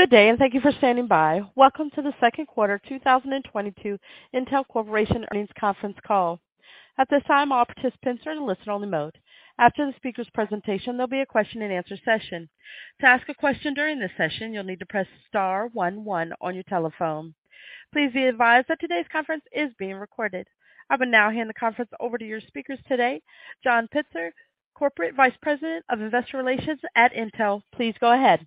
Good day, and thank you for standing by. Welcome to the second quarter 2022 Intel Corporation Earnings Conference Call. At this time, all participants are in listen-only mode. After the speaker's presentation, there'll be a question and answer session. To ask a question during this session, you'll need to press star one one on your telephone. Please be advised that today's conference is being recorded. I will now hand the conference over to your speakers today, John Pitzer, Corporate Vice President of Investor Relations at Intel. Please go ahead.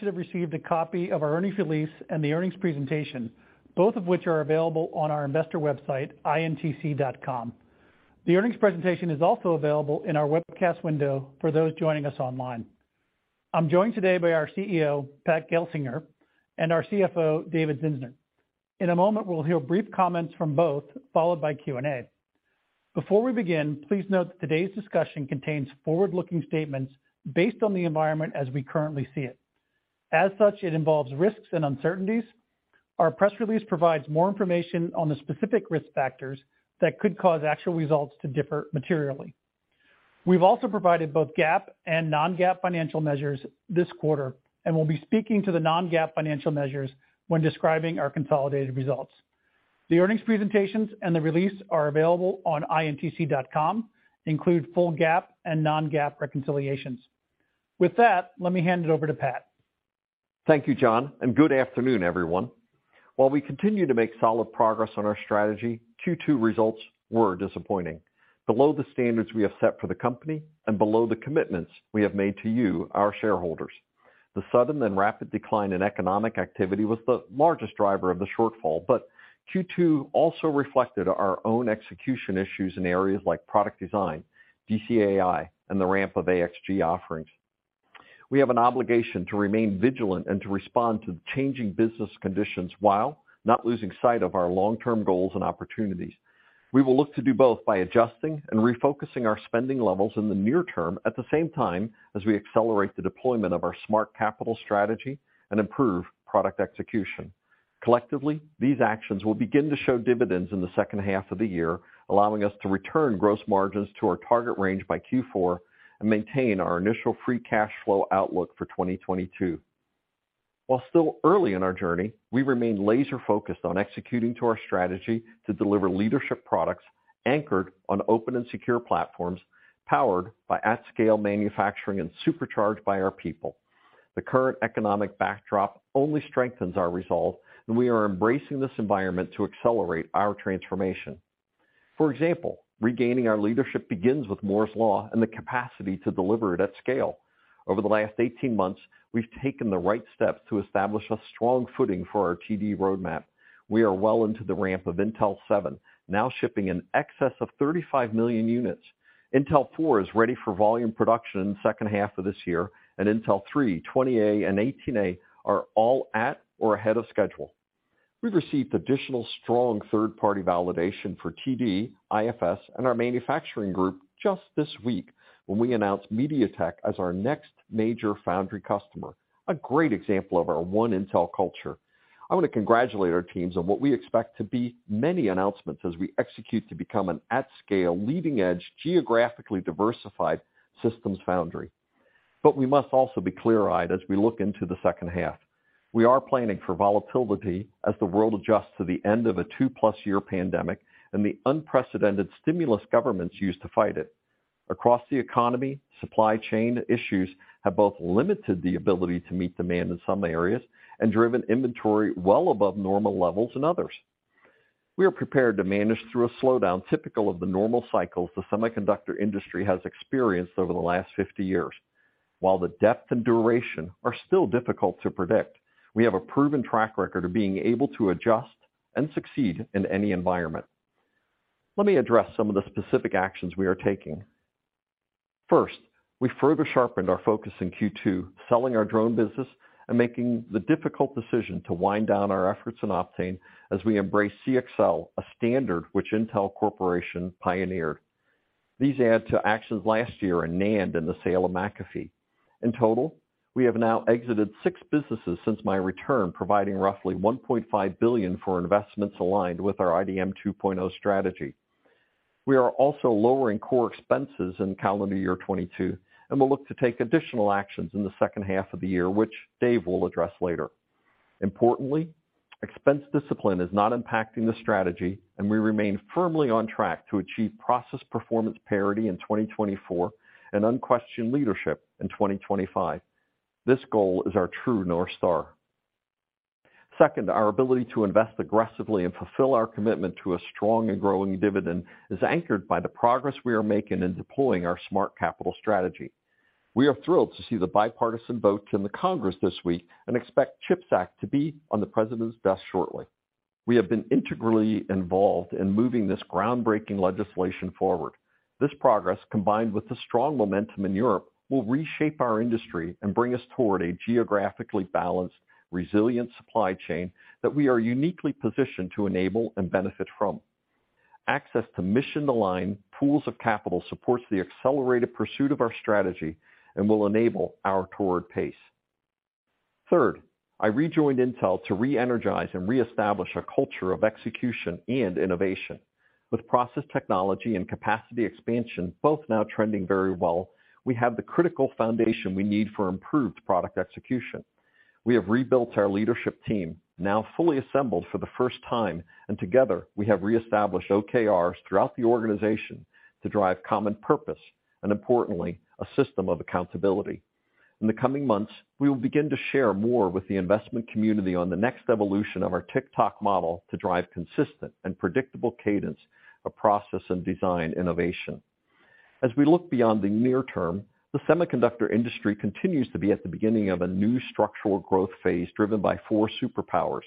You should have received a copy of our earnings release and the earnings presentation, both of which are available on our investor website, intc.com. The earnings presentation is also available in our webcast window for those joining us online. I'm joined today by our CEO, Pat Gelsinger, and our CFO, David Zinsner. In a moment, we'll hear brief comments from both, followed by Q&A. Before we begin, please note that today's discussion contains forward-looking statements based on the environment as we currently see it. As such, it involves risks and uncertainties. Our press release provides more information on the specific risk factors that could cause actual results to differ materially. We've also provided both GAAP and non-GAAP financial measures this quarter and will be speaking to the non-GAAP financial measures when describing our consolidated results. The earnings presentations and the release are available on intc.com, including full GAAP and non-GAAP reconciliations. With that, let me hand it over to Pat. Thank you, John, and good afternoon, everyone. While we continue to make solid progress on our strategy, Q2 results were disappointing. Below the standards we have set for the company and below the commitments we have made to you, our shareholders. The sudden and rapid decline in economic activity was the largest driver of the shortfall, but Q2 also reflected our own execution issues in areas like product design, DCAI, and the ramp of AXG offerings. We have an obligation to remain vigilant and to respond to the changing business conditions while not losing sight of our long-term goals and opportunities. We will look to do both by adjusting and refocusing our spending levels in the near term at the same time as we accelerate the deployment of our Smart Capital strategy and improve product execution. Collectively, these actions will begin to show dividends in the second half of the year, allowing us to return gross margins to our target range by Q4 and maintain our initial free cash flow outlook for 2022. While still early in our journey, we remain laser-focused on executing to our strategy to deliver leadership products anchored on open and secure platforms powered by at-scale manufacturing and supercharged by our people. The current economic backdrop only strengthens our resolve, and we are embracing this environment to accelerate our transformation. For example, regaining our leadership begins with Moore's Law and the capacity to deliver it at scale. Over the last 18 months, we've taken the right steps to establish a strong footing for our TD roadmap. We are well into the ramp of Intel 7, now shipping in excess of 35 million units. Intel 4 is ready for volume production in the second half of this year, and Intel 3, 20A, and 18A are all at or ahead of schedule. We've received additional strong third-party validation for TD, IFS, and our manufacturing group just this week when we announced MediaTek as our next major foundry customer, a great example of our One Intel culture. I want to congratulate our teams on what we expect to be many announcements as we execute to become an at-scale, leading-edge, geographically diversified systems foundry. We must also be clear-eyed as we look into the second half. We are planning for volatility as the world adjusts to the end of a 2+ year pandemic and the unprecedented stimulus governments used to fight it. Across the economy, supply chain issues have both limited the ability to meet demand in some areas and driven inventory well above normal levels in others. We are prepared to manage through a slowdown typical of the normal cycles the semiconductor industry has experienced over the last 50 years. While the depth and duration are still difficult to predict, we have a proven track record of being able to adjust and succeed in any environment. Let me address some of the specific actions we are taking. First, we further sharpened our focus in Q2, selling our drone business and making the difficult decision to wind down our efforts in Optane as we embrace CXL, a standard which Intel Corporation pioneered. These add to actions last year in NAND in the sale of McAfee. In total, we have now exited six businesses since my return, providing roughly $1.5 billion for investments aligned with our IDM 2.0 strategy. We are also lowering core expenses in calendar year 2022, and we'll look to take additional actions in the second half of the year, which Dave will address later. Importantly, expense discipline is not impacting the strategy, and we remain firmly on track to achieve process performance parity in 2024 and unquestioned leadership in 2025. This goal is our true North Star. Second, our ability to invest aggressively and fulfill our commitment to a strong and growing dividend is anchored by the progress we are making in deploying our Smart Capital strategy. We are thrilled to see the bipartisan votes in the Congress this week and expect CHIPS Act to be on the President's desk shortly. We have been integrally involved in moving this groundbreaking legislation forward. This progress, combined with the strong momentum in Europe, will reshape our industry and bring us toward a geographically balanced, resilient supply chain that we are uniquely positioned to enable and benefit from. Access to mission-aligned pools of capital supports the accelerated pursuit of our strategy and will enable our forward pace. Third, I rejoined Intel to reenergize and reestablish a culture of execution and innovation. With process technology and capacity expansion both now trending very well, we have the critical foundation we need for improved product execution. We have rebuilt our leadership team, now fully assembled for the first time, and together we have reestablished OKRs throughout the organization to drive common purpose, and importantly, a system of accountability. In the coming months, we will begin to share more with the investment community on the next evolution of our Tick-Tock model to drive consistent and predictable cadence of process and design innovation. As we look beyond the near term, the semiconductor industry continues to be at the beginning of a new structural growth phase driven by four superpowers: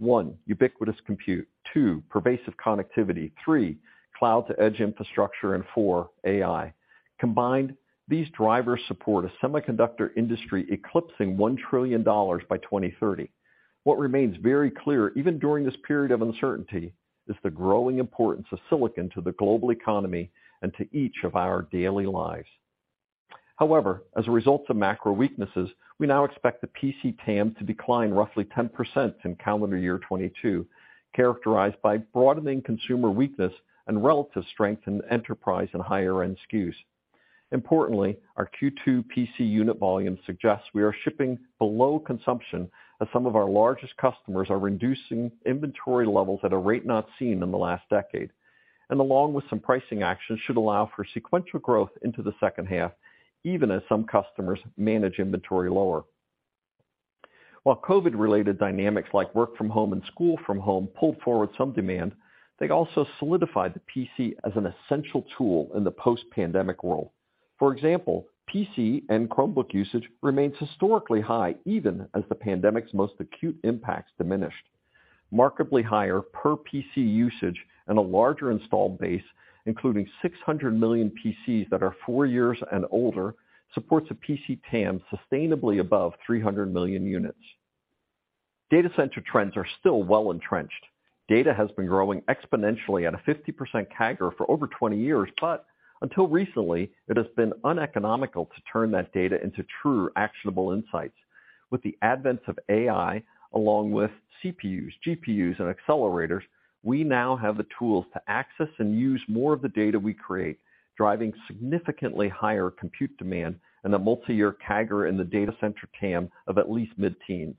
one, ubiquitous compute; two, pervasive connectivity; three, cloud-to-edge infrastructure, and four, AI. Combined, these drivers support a semiconductor industry eclipsing $1 trillion by 2030. What remains very clear, even during this period of uncertainty, is the growing importance of silicon to the global economy and to each of our daily lives. However, as a result of macro weaknesses, we now expect the PC TAM to decline roughly 10% in calendar year 2022, characterized by broadening consumer weakness and relative strength in enterprise and higher-end SKUs. Importantly, our Q2 PC unit volume suggests we are shipping below consumption as some of our largest customers are reducing inventory levels at a rate not seen in the last decade, and along with some pricing actions should allow for sequential growth into the second half, even as some customers manage inventory lower. While COVID-related dynamics like work from home and school from home pulled forward some demand, they also solidified the PC as an essential tool in the post-pandemic world. For example, PC and Chromebook usage remains historically high, even as the pandemic's most acute impacts diminished. Markedly higher per PC usage and a larger installed base, including 600 million PCs that are four years and older, supports a PC TAM sustainably above 300 million units. Data center trends are still well-entrenched. Data has been growing exponentially at a 50% CAGR for over 20 years, but until recently, it has been uneconomical to turn that data into true actionable insights. With the advent of AI, along with CPUs, GPUs, and accelerators, we now have the tools to access and use more of the data we create, driving significantly higher compute demand and a multi-year CAGR in the data center TAM of at least mid-teens.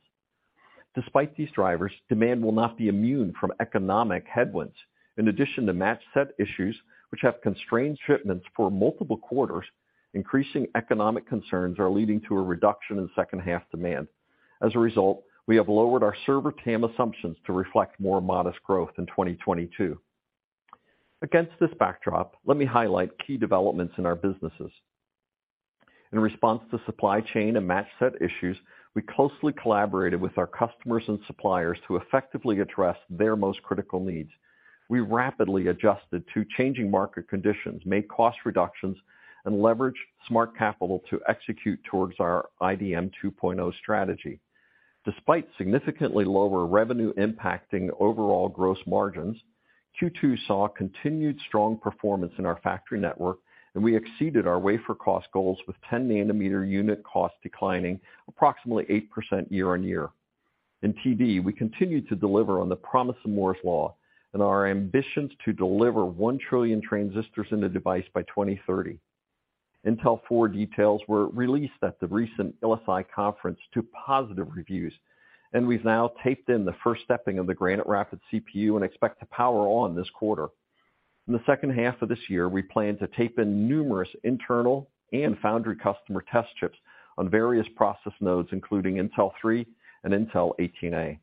Despite these drivers, demand will not be immune from economic headwinds. In addition to match set issues, which have constrained shipments for multiple quarters, increasing economic concerns are leading to a reduction in second half demand. As a result, we have lowered our server TAM assumptions to reflect more modest growth in 2022. Against this backdrop, let me highlight key developments in our businesses. In response to supply chain and match set issues, we closely collaborated with our customers and suppliers to effectively address their most critical needs. We rapidly adjusted to changing market conditions, made cost reductions, and leveraged Smart Capital to execute towards our IDM 2.0 strategy. Despite significantly lower revenue impacting overall gross margins, Q2 saw continued strong performance in our factory network, and we exceeded our wafer cost goals with 10 nm unit cost declining approximately 8% year-on-year. In TD, we continue to deliver on the promise of Moore's Law and our ambitions to deliver 1 trillion transistors in the device by 2030. Intel 4 details were released at the recent VLSI conference to positive reviews, and we've now taped out the first stepping of the Granite Rapids CPU and expect to power on this quarter. In the second half of this year, we plan to tape out numerous internal and foundry customer test chips on various process nodes, including Intel 3 and Intel 18A.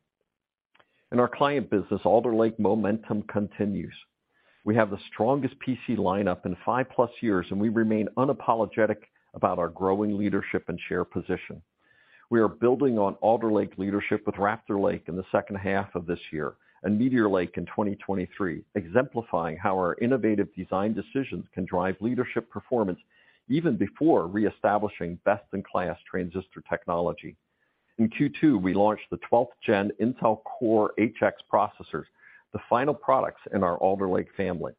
In our client business, Alder Lake momentum continues. We have the strongest PC lineup in 5+ years, and we remain unapologetic about our growing leadership and share position. We are building on Alder Lake leadership with Raptor Lake in the second half of this year and Meteor Lake in 2023, exemplifying how our innovative design decisions can drive leadership performance even before reestablishing best-in-class transistor technology. In Q2, we launched the 12th Gen Intel Core HX processors, the final products in our Alder Lake family.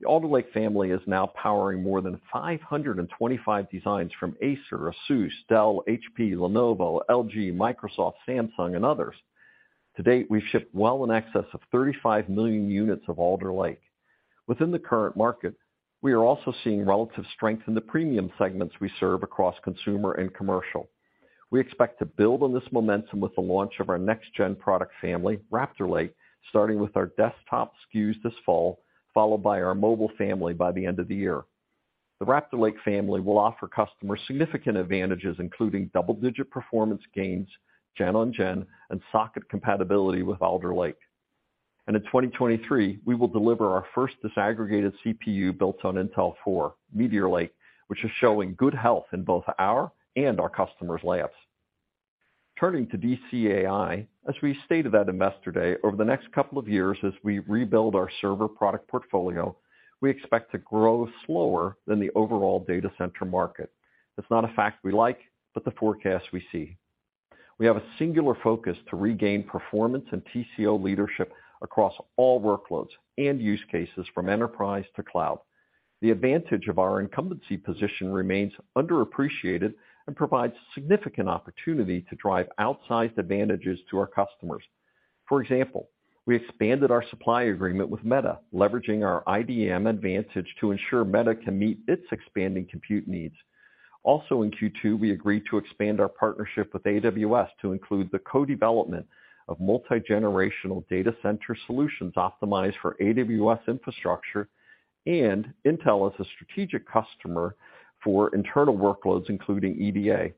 The Alder Lake family is now powering more than 525 designs from Acer, ASUS, Dell, HP, Lenovo, LG, Microsoft, Samsung and others. To date, we've shipped well in excess of 35 million units of Alder Lake. Within the current market, we are also seeing relative strength in the premium segments we serve across consumer and commercial. We expect to build on this momentum with the launch of our next gen product family, Raptor Lake, starting with our desktop SKUs this fall, followed by our mobile family by the end of the year. The Raptor Lake family will offer customers significant advantages, including double-digit performance gains, gen-on-gen and socket compatibility with Alder Lake. In 2023, we will deliver our first disaggregated CPU built on Intel 4, Meteor Lake, which is showing good health in both our and our customers' labs. Turning to DCAI, as we stated at Investor Day, over the next couple of years as we rebuild our server product portfolio, we expect to grow slower than the overall data center market. That's not a fact we like, but the forecast we see. We have a singular focus to regain performance and TCO leadership across all workloads and use cases from enterprise to cloud. The advantage of our incumbency position remains underappreciated and provides significant opportunity to drive outsized advantages to our customers. For example, we expanded our supply agreement with Meta, leveraging our IDM advantage to ensure Meta can meet its expanding compute needs. Also in Q2, we agreed to expand our partnership with AWS to include the co-development of multi-generational data center solutions optimized for AWS infrastructure and Intel as a strategic customer for internal workloads, including EDA.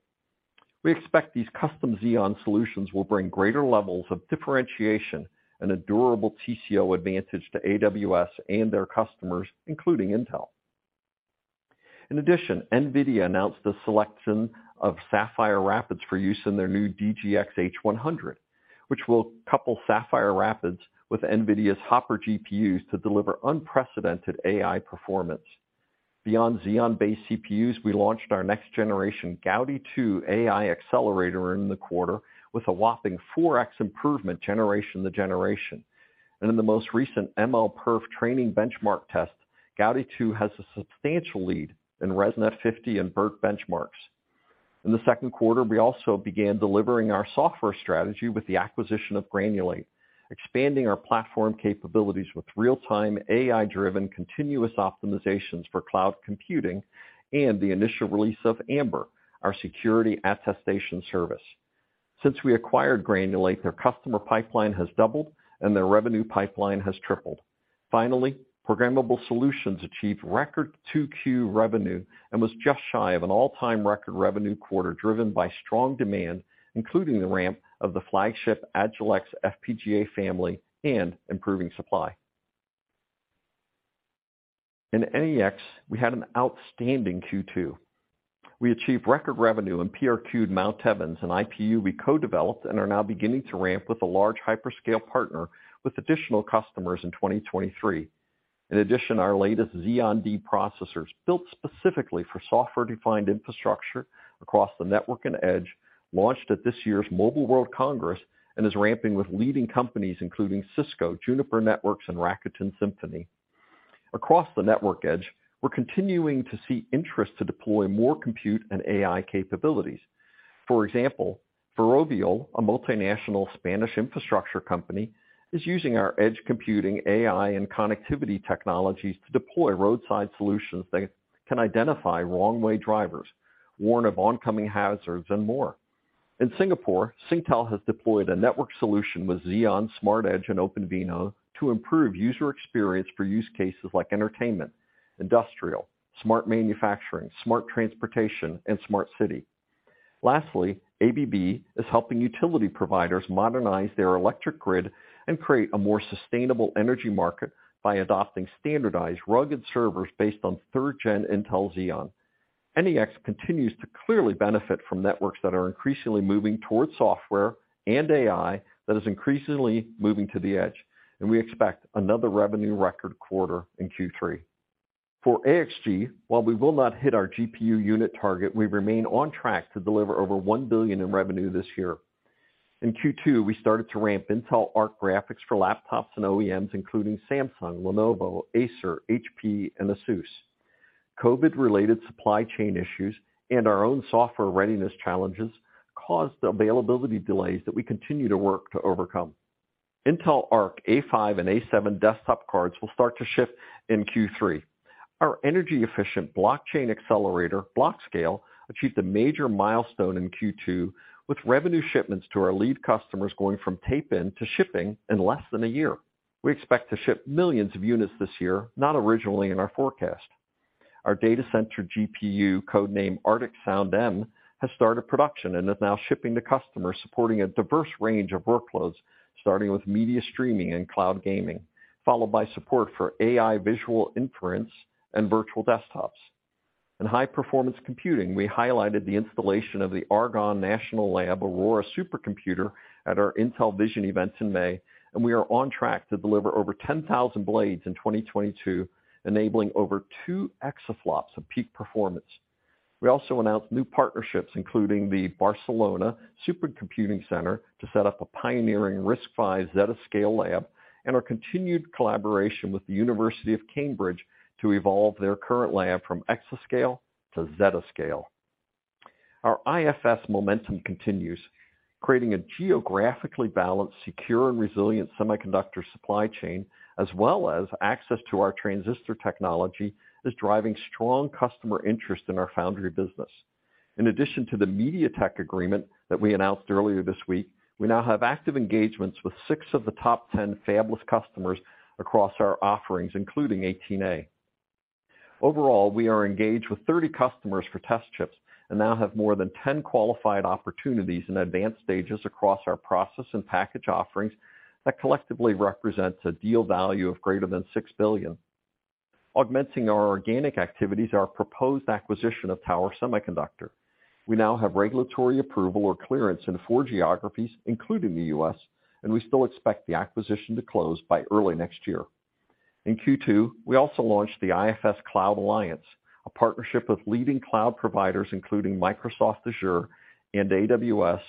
We expect these custom Xeon solutions will bring greater levels of differentiation and a durable TCO advantage to AWS and their customers, including Intel. In addition, NVIDIA announced the selection of Sapphire Rapids for use in their new DGX H100, which will couple Sapphire Rapids with NVIDIA's Hopper GPUs to deliver unprecedented AI performance. Beyond Xeon-based CPUs, we launched our next generation Gaudi 2 AI accelerator in the quarter with a whopping 4x improvement generation to generation. In the most recent MLPerf training benchmark test, Gaudi 2 has a substantial lead in ResNet-50 and BERT benchmarks. In the second quarter, we also began delivering our software strategy with the acquisition of Granulate, expanding our platform capabilities with real-time AI-driven continuous optimizations for cloud computing and the initial release of Amber, our security attestation service. Since we acquired Granulate, their customer pipeline has doubled and their revenue pipeline has tripled. Finally, programmable solutions achieved record 2Q revenue and was just shy of an all-time record revenue quarter, driven by strong demand, including the ramp of the flagship Agilex FPGA family and improving supply. In NEX, we had an outstanding Q2. We achieved record revenue and PRQ'd Mount Evans, an IPU we co-developed and are now beginning to ramp with a large hyperscale partner with additional customers in 2023. In addition, our latest Xeon D processors, built specifically for software-defined infrastructure across the network and edge, launched at this year's Mobile World Congress and is ramping with leading companies, including Cisco, Juniper Networks, and Rakuten Symphony. Across the network edge, we're continuing to see interest to deploy more compute and AI capabilities. For example, Ferrovial, a multinational Spanish infrastructure company, is using our edge computing, AI, and connectivity technologies to deploy roadside solutions that can identify wrong way drivers, warn of oncoming hazards, and more. In Singapore, Singtel has deployed a network solution with Xeon, Smart Edge, and OpenVINO to improve user experience for use cases like entertainment, industrial, smart manufacturing, smart transportation, and smart city. Lastly, ABB is helping utility providers modernize their electric grid and create a more sustainable energy market by adopting standardized rugged servers based on 3rd Gen Intel Xeon. NEX continues to clearly benefit from networks that are increasingly moving towards software and AI that is increasingly moving to the edge, and we expect another revenue record quarter in Q3. For AXG, while we will not hit our GPU unit target, we remain on track to deliver over $1 billion in revenue this year. In Q2, we started to ramp Intel Arc Graphics for laptops and OEMs, including Samsung, Lenovo, Acer, HP, and ASUS. COVID-related supply chain issues and our own software readiness challenges caused availability delays that we continue to work to overcome. Intel Arc A5 and A7 desktop cards will start to ship in Q3. Our energy-efficient blockchain accelerator, Blockscale, achieved a major milestone in Q2 with revenue shipments to our lead customers going from tape-in to shipping in less than a year. We expect to ship millions of units this year, not originally in our forecast. Our data center GPU, code-named Arctic Sound-M, has started production and is now shipping to customers supporting a diverse range of workloads, starting with media streaming and cloud gaming, followed by support for AI visual inference and virtual desktops. In high-performance computing, we highlighted the installation of the Argonne National Laboratory Aurora supercomputer at our Intel Vision event in May, and we are on track to deliver over 10,000 blades in 2022, enabling over 2 exaflops of peak performance. We also announced new partnerships, including the Barcelona Supercomputing Center, to set up a pioneering RISC-V zettascale lab, and our continued collaboration with the University of Cambridge to evolve their current lab from exascale to zettascale. Our IFS momentum continues. Creating a geographically balanced, secure, and resilient semiconductor supply chain, as well as access to our transistor technology, is driving strong customer interest in our foundry business. In addition to the MediaTek agreement that we announced earlier this week, we now have active engagements with six of the top 10 fabless customers across our offerings, including Intel 18A. Overall, we are engaged with 30 customers for test chips and now have more than 10 qualified opportunities in advanced stages across our process and package offerings that collectively represents a deal value of greater than $6 billion. Augmenting our organic activities are our proposed acquisition of Tower Semiconductor. We now have regulatory approval or clearance in 4 geographies, including the U.S., and we still expect the acquisition to close by early next year. In Q2, we also launched the IFS Cloud Alliance. A partnership with leading cloud providers, including Microsoft Azure and AWS,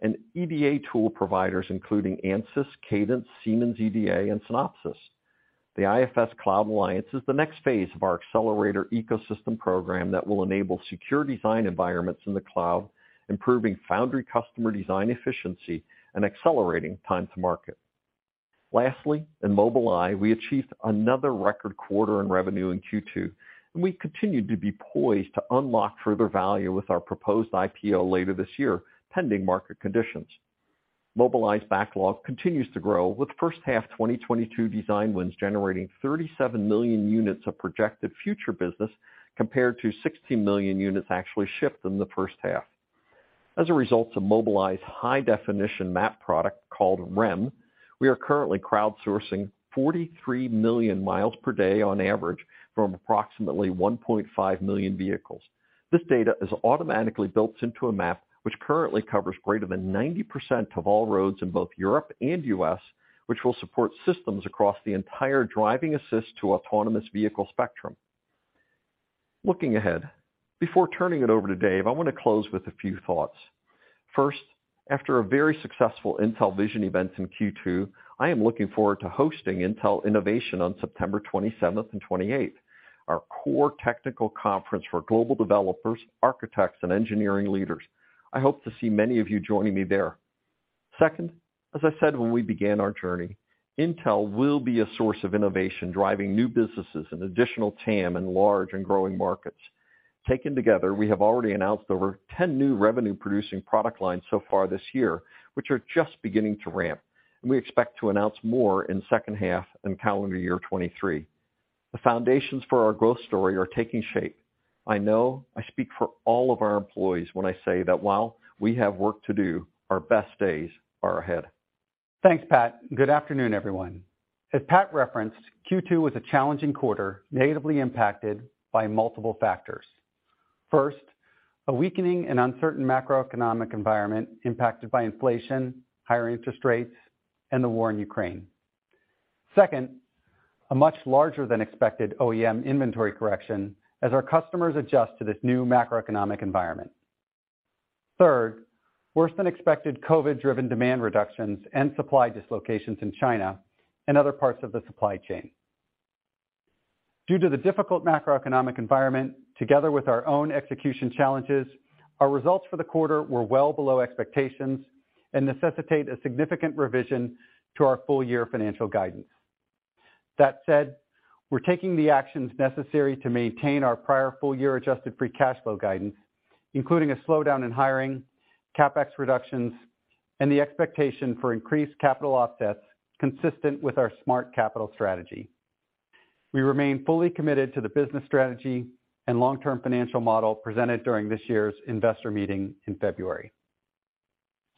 and EDA tool providers, including ANSYS, Cadence, Siemens EDA, and Synopsys. The IFS Cloud Alliance is the next phase of our accelerator ecosystem program that will enable secure design environments in the cloud, improving foundry customer design efficiency and accelerating time to market. Lastly, in Mobileye, we achieved another record quarter in revenue in Q2, and we continue to be poised to unlock further value with our proposed IPO later this year, pending market conditions. Mobileye's backlog continues to grow, with first half 2022 design wins generating 37 million units of projected future business compared to 16 million units actually shipped in the first half. As a result of Mobileye's high-definition map product called REM, we are currently crowdsourcing 43 million miles per day on average from approximately 1.5 million vehicles. This data is automatically built into a map which currently covers greater than 90% of all roads in both Europe and U.S., which will support systems across the entire driving assist to autonomous vehicle spectrum. Looking ahead, before turning it over to Dave, I want to close with a few thoughts. First, after a very successful Intel Vision event in Q2, I am looking forward to hosting Intel Innovation on September 27th and 28th, our core technical conference for global developers, architects, and engineering leaders. I hope to see many of you joining me there. Second, as I said when we began our journey, Intel will be a source of innovation, driving new businesses and additional TAM in large and growing markets. Taken together, we have already announced over 10 new revenue-producing product lines so far this year, which are just beginning to ramp, and we expect to announce more in second half and calendar year 2023. The foundations for our growth story are taking shape. I know I speak for all of our employees when I say that while we have work to do, our best days are ahead. Thanks, Pat. Good afternoon, everyone. As Pat referenced, Q2 was a challenging quarter, negatively impacted by multiple factors. First, a weakening and uncertain macroeconomic environment impacted by inflation, higher interest rates, and the war in Ukraine. Second, a much larger than expected OEM inventory correction as our customers adjust to this new macroeconomic environment. Third, worse than expected COVID-driven demand reductions and supply dislocations in China and other parts of the supply chain. Due to the difficult macroeconomic environment, together with our own execution challenges, our results for the quarter were well below expectations and necessitate a significant revision to our full-year financial guidance. That said, we're taking the actions necessary to maintain our prior full-year adjusted free cash flow guidance, including a slowdown in hiring, CapEx reductions, and the expectation for increased capital offsets consistent with our Smart Capital strategy. We remain fully committed to the business strategy and long-term financial model presented during this year's investor meeting in February.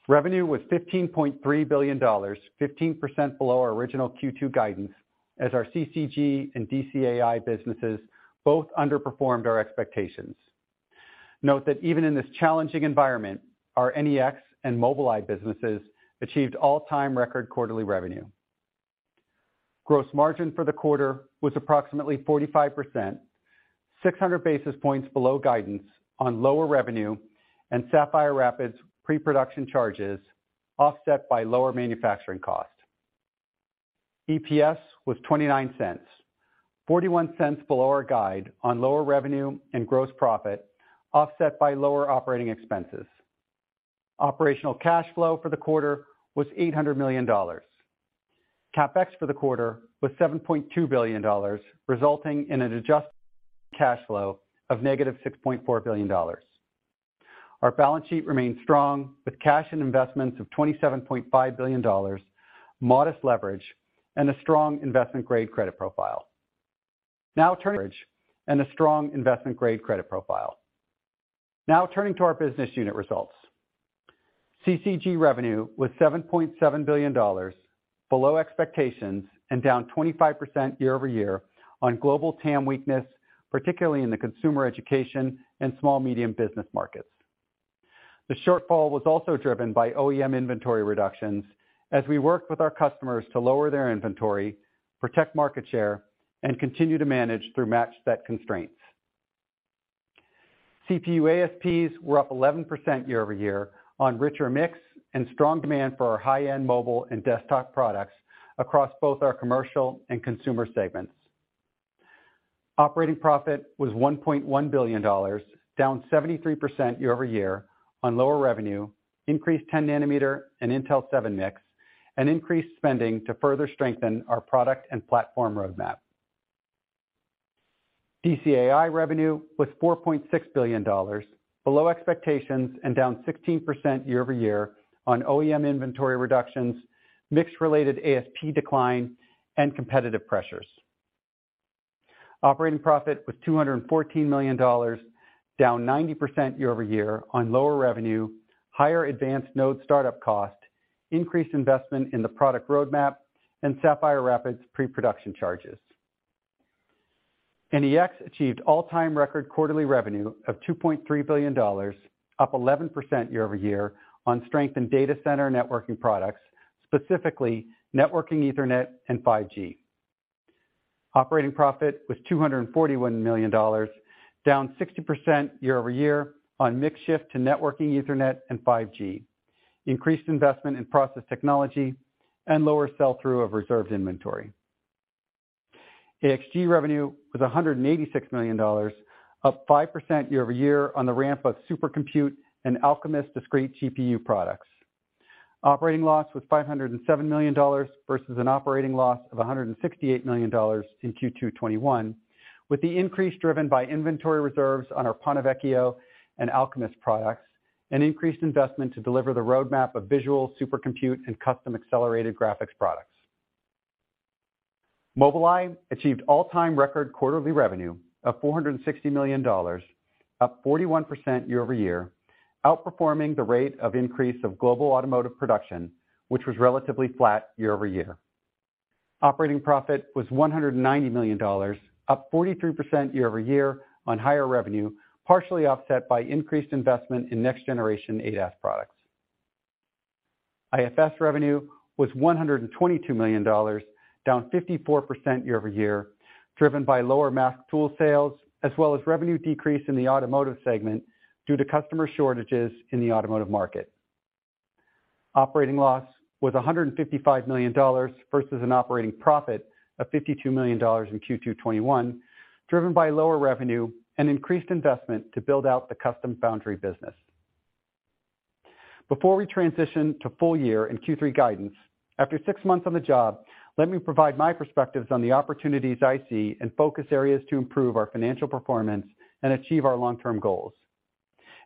Revenue was $15.3 billion, 15% below our original Q2 guidance as our CCG and DCAI businesses both underperformed our expectations. Note that even in this challenging environment, our NEX and Mobileye businesses achieved all-time record quarterly revenue. Gross margin for the quarter was approximately 45%, 600 basis points below guidance on lower revenue and Sapphire Rapids pre-production charges offset by lower manufacturing cost. EPS was $0.29, $0.41 below our guide on lower revenue and gross profit offset by lower operating expenses. Operational cash flow for the quarter was $800 million. CapEx for the quarter was $7.2 billion, resulting in an adjusted cash flow of -$6.4 billion. Our balance sheet remains strong with cash and investments of $27.5 billion, modest leverage, and a strong investment-grade credit profile. Now turning to our business unit results. CCG revenue was $7.7 billion, below expectations and down 25% year-over-year on global TAM weakness, particularly in the consumer education and small medium business markets. The shortfall was also driven by OEM inventory reductions as we work with our customers to lower their inventory, protect market share, and continue to manage through match set constraints. CPU ASPs were up 11% year-over-year on richer mix and strong demand for our high-end mobile and desktop products across both our commercial and consumer segments. Operating profit was $1.1 billion, down 73% year-over-year on lower revenue, increased 10nm and Intel 7 mix, and increased spending to further strengthen our product and platform roadmap. DCAI revenue was $4.6 billion, below expectations and down 16% year-over-year on OEM inventory reductions, mix-related ASP decline, and competitive pressures. Operating profit was $214 million, down 90% year-over-year on lower revenue, higher advanced node startup cost, increased investment in the product roadmap, and Sapphire Rapids pre-production charges. NEX achieved all-time record quarterly revenue of $2.3 billion, up 11% year-over-year on strength in data center networking products. Specifically, networking Ethernet and 5G. Operating profit was $241 million, down 60% year-over-year on mix shift to networking Ethernet and 5G. Increased investment in process technology and lower sell-through of reserved inventory. AXG revenue was $186 million, up 5% year-over-year on the ramp of super-compute and Alchemist discrete GPU products. Operating loss was $507 million versus an operating loss of $168 million in Q2 2021, with the increase driven by inventory reserves on our Ponte Vecchio and Alchemist products, and increased investment to deliver the roadmap of visual super-compute and custom accelerated graphics products. Mobileye achieved all-time record quarterly revenue of $460 million, up 41% year-over-year, outperforming the rate of increase of global automotive production, which was relatively flat year-over-year. Operating profit was $190 million, up 43% year-over-year on higher revenue, partially offset by increased investment in next generation ADAS products. IFS revenue was $122 million, down 54% year-over-year, driven by lower mask tool sales as well as revenue decrease in the automotive segment due to customer shortages in the automotive market. Operating loss was $155 million versus an operating profit of $52 million in Q2 2021, driven by lower revenue and increased investment to build out the custom foundry business. Before we transition to full year and Q3 guidance, after six months on the job, let me provide my perspectives on the opportunities I see and focus areas to improve our financial performance and achieve our long-term goals.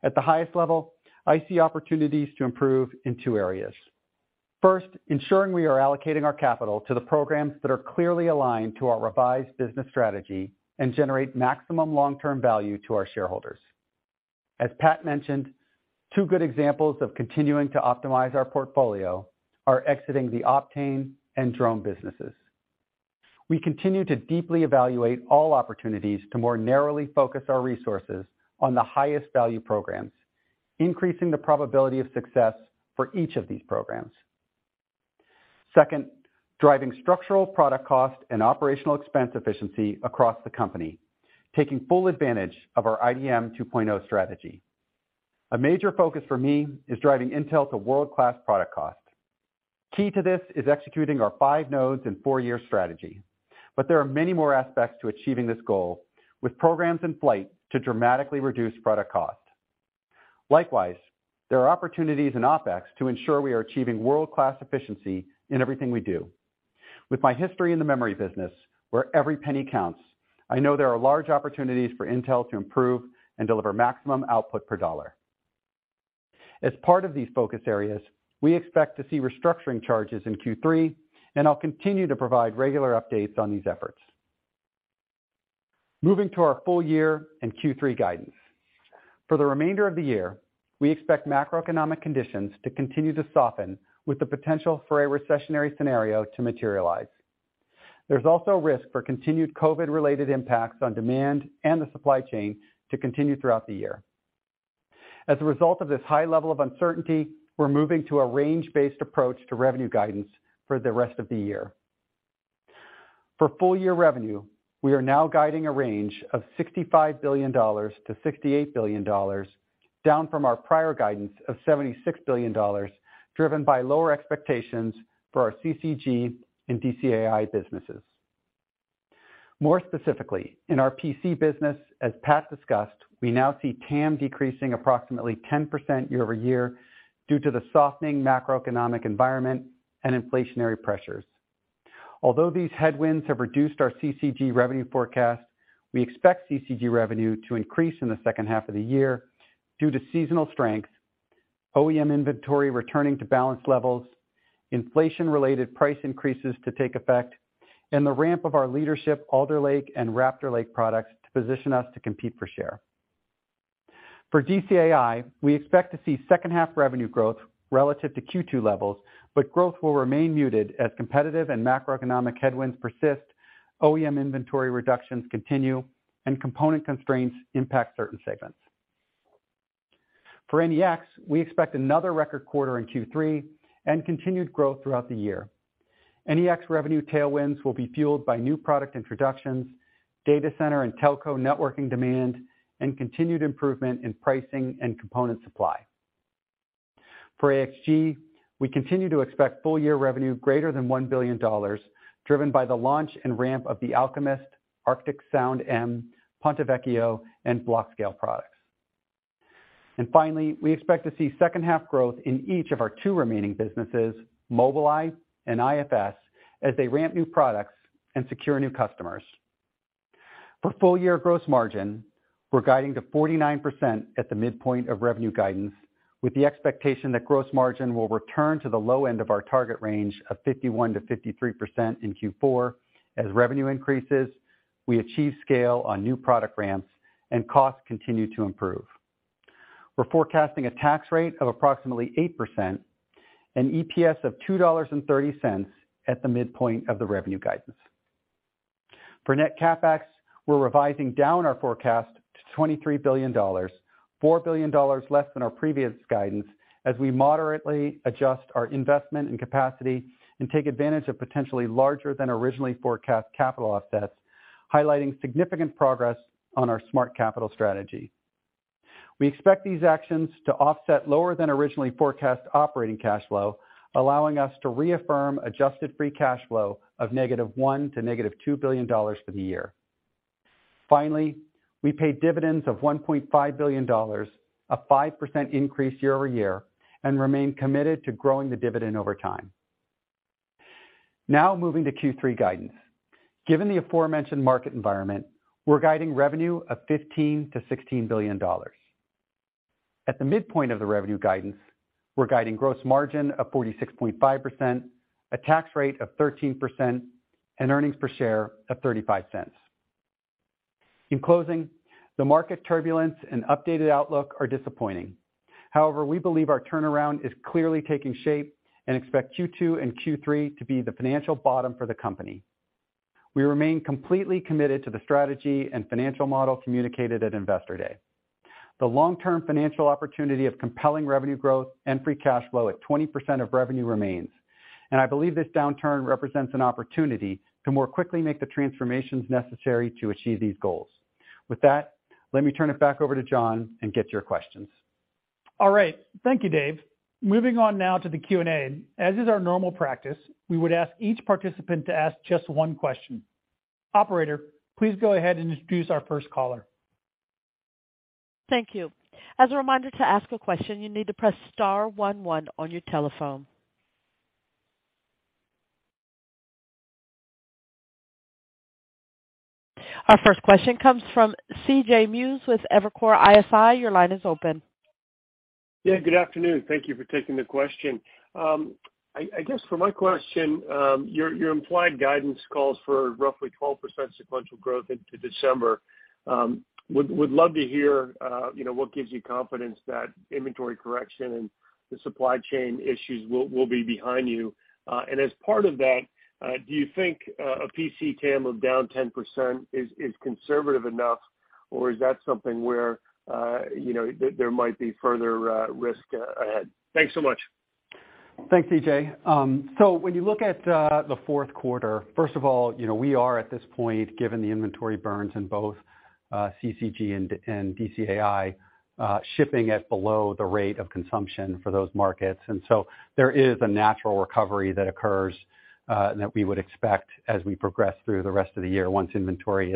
At the highest level, I see opportunities to improve in two areas. First, ensuring we are allocating our capital to the programs that are clearly aligned to our revised business strategy and generate maximum long-term value to our shareholders. As Pat mentioned, two good examples of continuing to optimize our portfolio are exiting the Optane and NAND businesses. We continue to deeply evaluate all opportunities to more narrowly focus our resources on the highest value programs, increasing the probability of success for each of these programs. Second, driving structural product cost and operating expense efficiency across the company, taking full advantage of our IDM 2.0 strategy. A major focus for me is driving Intel to world-class product cost. Key to this is executing our five nodes and four-year strategy. There are many more aspects to achieving this goal, with programs in flight to dramatically reduce product cost. Likewise, there are opportunities in OpEx to ensure we are achieving world-class efficiency in everything we do. With my history in the memory business, where every penny counts, I know there are large opportunities for Intel to improve and deliver maximum output per dollar. As part of these focus areas, we expect to see restructuring charges in Q3, and I'll continue to provide regular updates on these efforts. Moving to our full year and Q3 guidance. For the remainder of the year, we expect macroeconomic conditions to continue to soften with the potential for a recessionary scenario to materialize. There's also risk for continued COVID-related impacts on demand and the supply chain to continue throughout the year. As a result of this high level of uncertainty, we're moving to a range-based approach to revenue guidance for the rest of the year. For full year revenue, we are now guiding a range of $65 billion-$68 billion, down from our prior guidance of $76 billion, driven by lower expectations for our CCG and DCAI businesses. More specifically, in our PC business, as Pat discussed, we now see TAM decreasing approximately 10% year-over-year due to the softening macroeconomic environment and inflationary pressures. Although these headwinds have reduced our CCG revenue forecast, we expect CCG revenue to increase in the second half of the year due to seasonal strength, OEM inventory returning to balance levels, inflation-related price increases to take effect, and the ramp of our leadership Alder Lake and Raptor Lake products to position us to compete for share. For DCAI, we expect to see second half revenue growth relative to Q2 levels, but growth will remain muted as competitive and macroeconomic headwinds persist, OEM inventory reductions continue, and component constraints impact certain segments. For NEX, we expect another record quarter in Q3 and continued growth throughout the year. NEX revenue tailwinds will be fueled by new product introductions, data center and telco networking demand, and continued improvement in pricing and component supply. For AXG, we continue to expect full year revenue greater than $1 billion, driven by the launch and ramp of the Alchemist, Arctic Sound-M, Ponte Vecchio, and Blockscale products. Finally, we expect to see second half growth in each of our two remaining businesses, Mobileye and IFS, as they ramp new products and secure new customers. For full year gross margin, we're guiding to 49% at the midpoint of revenue guidance, with the expectation that gross margin will return to the low end of our target range of 51%-53% in Q4 as revenue increases, we achieve scale on new product ramps, and costs continue to improve. We're forecasting a tax rate of approximately 8% and EPS of $2.30 at the midpoint of the revenue guidance. For net CapEx, we're revising down our forecast to $23 billion, $4 billion less than our previous guidance as we moderately adjust our investment and capacity and take advantage of potentially larger than originally forecast capital offsets, highlighting significant progress on our Smart Capital strategy. We expect these actions to offset lower than originally forecast operating cash flow, allowing us to reaffirm adjusted free cash flow of -$1 billion-$2 billion for the year. Finally, we paid dividends of $1.5 billion, a 5% increase year-over-year, and remain committed to growing the dividend over time. Now moving to Q3 guidance. Given the aforementioned market environment, we're guiding revenue of $15 billion-$16 billion. At the midpoint of the revenue guidance, we're guiding gross margin of 46.5%, a tax rate of 13%, and earnings per share of $0.35. In closing, the market turbulence and updated outlook are disappointing. However, we believe our turnaround is clearly taking shape and expect Q2 and Q3 to be the financial bottom for the company. We remain completely committed to the strategy and financial model communicated at Investor Day. The long-term financial opportunity of compelling revenue growth and free cash flow at 20% of revenue remains, and I believe this downturn represents an opportunity to more quickly make the transformations necessary to achieve these goals. With that, let me turn it back over to John and get your questions. All right. Thank you, David. Moving on now to the Q&A. As is our normal practice, we would ask each participant to ask just one question. Operator, please go ahead and introduce our first caller. Thank you. As a reminder, to ask a question, you need to press star one one on your telephone. Our first question comes from C.J. Muse with Evercore ISI. Your line is open. Yeah, good afternoon. Thank you for taking the question. I guess for my question, your implied guidance calls for roughly 12% sequential growth into December. Would love to hear, you know, what gives you confidence that inventory correction and the supply chain issues will be behind you. As part of that, do you think a PC TAM of down 10% is conservative enough? Or is that something where, you know, there might be further risk ahead? Thanks so much. Thanks, C.J. When you look at the fourth quarter, first of all, you know, we are at this point, given the inventory burns in both CCG and DCAI, shipping at below the rate of consumption for those markets. There is a natural recovery that occurs that we would expect as we progress through the rest of the year once inventory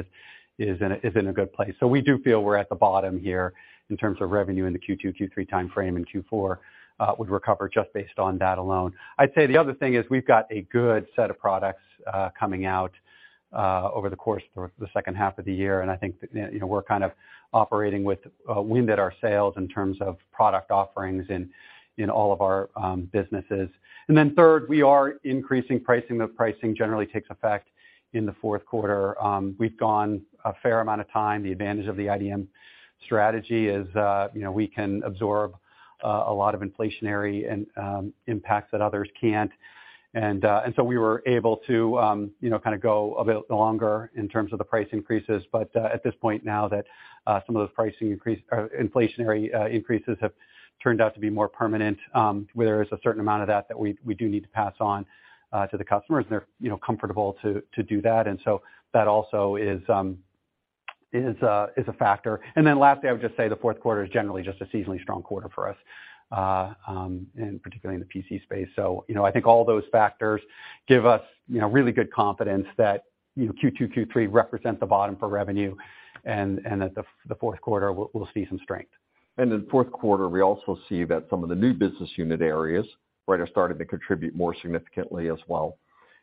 is in a good place. We do feel we're at the bottom here in terms of revenue in the Q2, Q3 timeframe, and Q4 would recover just based on that alone. I'd say the other thing is we've got a good set of products coming out over the course of the second half of the year, and I think that, you know, we're kind of operating with wind in our sails in terms of product offerings in all of our businesses. Then third, we are increasing pricing. The pricing generally takes effect in the fourth quarter. We've gone a fair amount of time. The advantage of the IDM strategy is, you know, we can absorb a lot of inflationary and impacts that others can't. So we were able to, you know, kinda go a bit longer in terms of the price increases. At this point now that some of those pricing increase or inflationary increases have turned out to be more permanent, where there is a certain amount of that that we do need to pass on to the customers, and they're, you know, comfortable to do that. That also is a factor. Lastly, I would just say the fourth quarter is generally just a seasonally strong quarter for us, and particularly in the PC space. You know, I think all those factors give us, you know, really good confidence that, you know, Q2, Q3 represent the bottom for revenue and that the fourth quarter we'll see some strength. In the fourth quarter, we also see that some of the new business unit areas, right, are starting to contribute more significantly as well.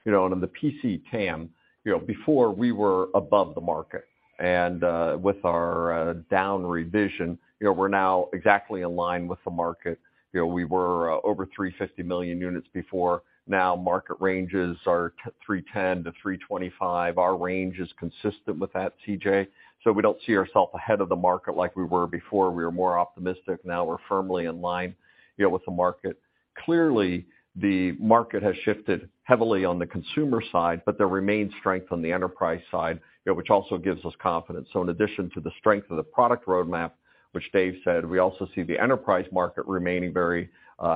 You know, in the PC TAM, you know, before we were above the market. With our down revision, you know, we're now exactly in line with the market. You know, we were over 350 million units before. Now market ranges are 310-325. Our range is consistent with that, C.J., so we don't see ourself ahead of the market like we were before. We were more optimistic. Now we're firmly in line, you know, with the market. Clearly, the market has shifted heavily on the consumer side, but there remains strength on the enterprise side, you know, which also gives us confidence. In addition to the strength of the product roadmap, which Dave said, we also see the enterprise market remaining very,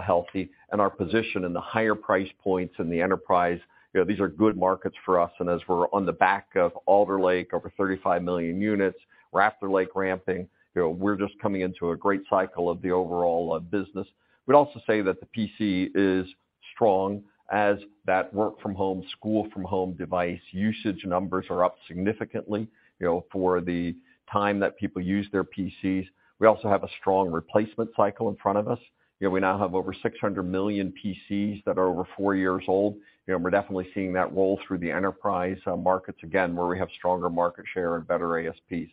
healthy and our position in the higher price points in the enterprise. You know, these are good markets for us, and as we're on the back of Alder Lake, over 35 million units, Raptor Lake ramping, you know, we're just coming into a great cycle of the overall, business. We'd also say that the PC is strong as that work from home, school from home device usage numbers are up significantly, you know, for the time that people use their PCs. We also have a strong replacement cycle in front of us. You know, we now have over 600 million PCs that are over four years old. You know, we're definitely seeing that roll through the enterprise markets again, where we have stronger market share and better ASPs.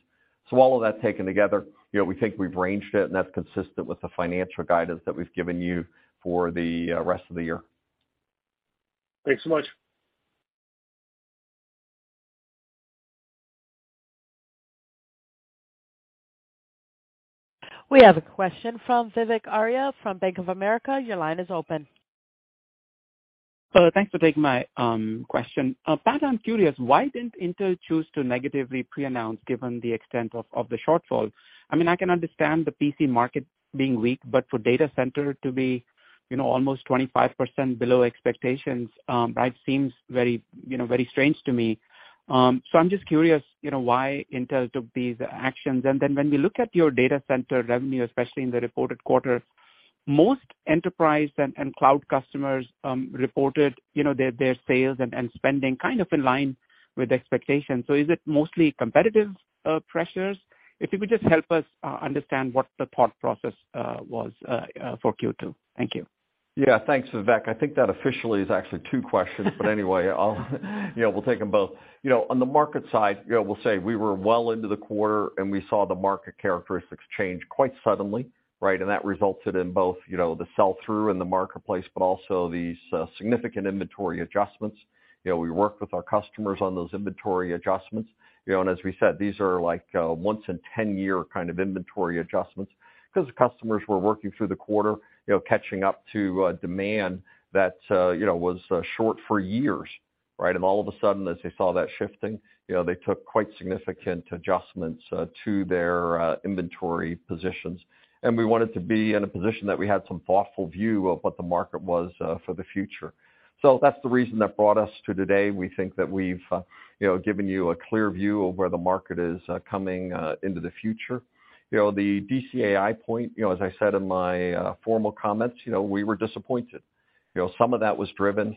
All of that taken together, you know, we think we've ranged it, and that's consistent with the financial guidance that we've given you for the rest of the year. Thanks so much. We have a question from Vivek Arya from Bank of America. Your line is open. Thanks for taking my question. Pat, I'm curious, why didn't Intel choose to negatively pre-announce given the extent of the shortfall? I mean, I can understand the PC market being weak, but for data center to be, you know, almost 25% below expectations, that seems very, you know, very strange to me. I'm just curious, you know, why Intel took these actions. Then when we look at your data center revenue, especially in the reported quarter, most enterprise and cloud customers reported their sales and spending kind of in line with expectations. Is it mostly competitive pressures? If you could just help us understand what the thought process was for Q2. Thank you. Yeah. Thanks, Vivek. I think that officially is actually two questions. Anyway, I'll, you know, we'll take them both. You know, on the market side, you know, we'll say we were well into the quarter, and we saw the market characteristics change quite suddenly, right? That resulted in both, you know, the sell-through in the marketplace, but also these, significant inventory adjustments. You know, we worked with our customers on those inventory adjustments. You know, as we said, these are like, once in ten year kind of inventory adjustments because customers were working through the quarter, you know, catching up to, demand that, you know, was, short for years, right? All of a sudden, as they saw that shifting, you know, they took quite significant adjustments, to their, inventory positions. We wanted to be in a position that we had some thoughtful view of what the market was for the future. That's the reason that brought us to today. We think that we've, you know, given you a clear view of where the market is coming into the future. You know, the DCAI point, you know, as I said in my formal comments, you know, we were disappointed. You know, some of that was driven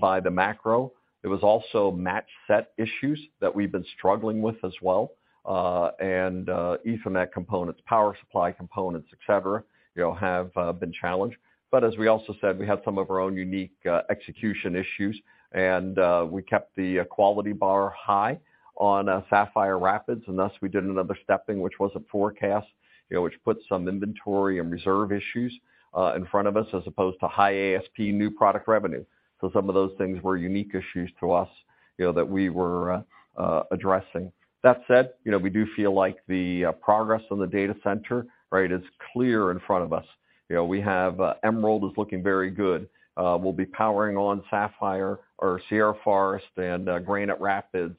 by the macro. It was also matched set issues that we've been struggling with as well, and Ethernet components, power supply components, et cetera, you know, have been challenged. as we also said, we had some of our own unique execution issues, and we kept the quality bar high on Sapphire Rapids, and thus we did another stepping, which wasn't forecast, you know, which put some inventory and reserve issues in front of us as opposed to high ASP new product revenue. Some of those things were unique issues to us, you know, that we were addressing. That said, you know, we do feel like the progress on the data center, right, is clear in front of us. You know, we have Emerald is looking very good. We'll be powering on Sapphire or Sierra Forest, and Granite Rapids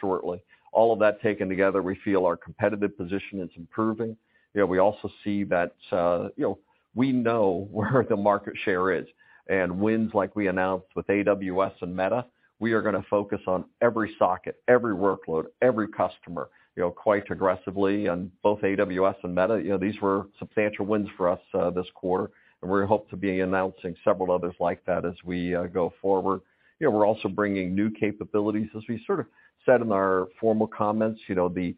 shortly. All of that taken together, we feel our competitive position is improving. You know, we also see that, you know, we know where the market share is. Wins like we announced with AWS and Meta, we are gonna focus on every socket, every workload, every customer, you know, quite aggressively on both AWS and Meta. You know, these were substantial wins for us, this quarter, and we hope to be announcing several others like that as we go forward. You know, we're also bringing new capabilities. As we sort of said in our formal comments, you know, the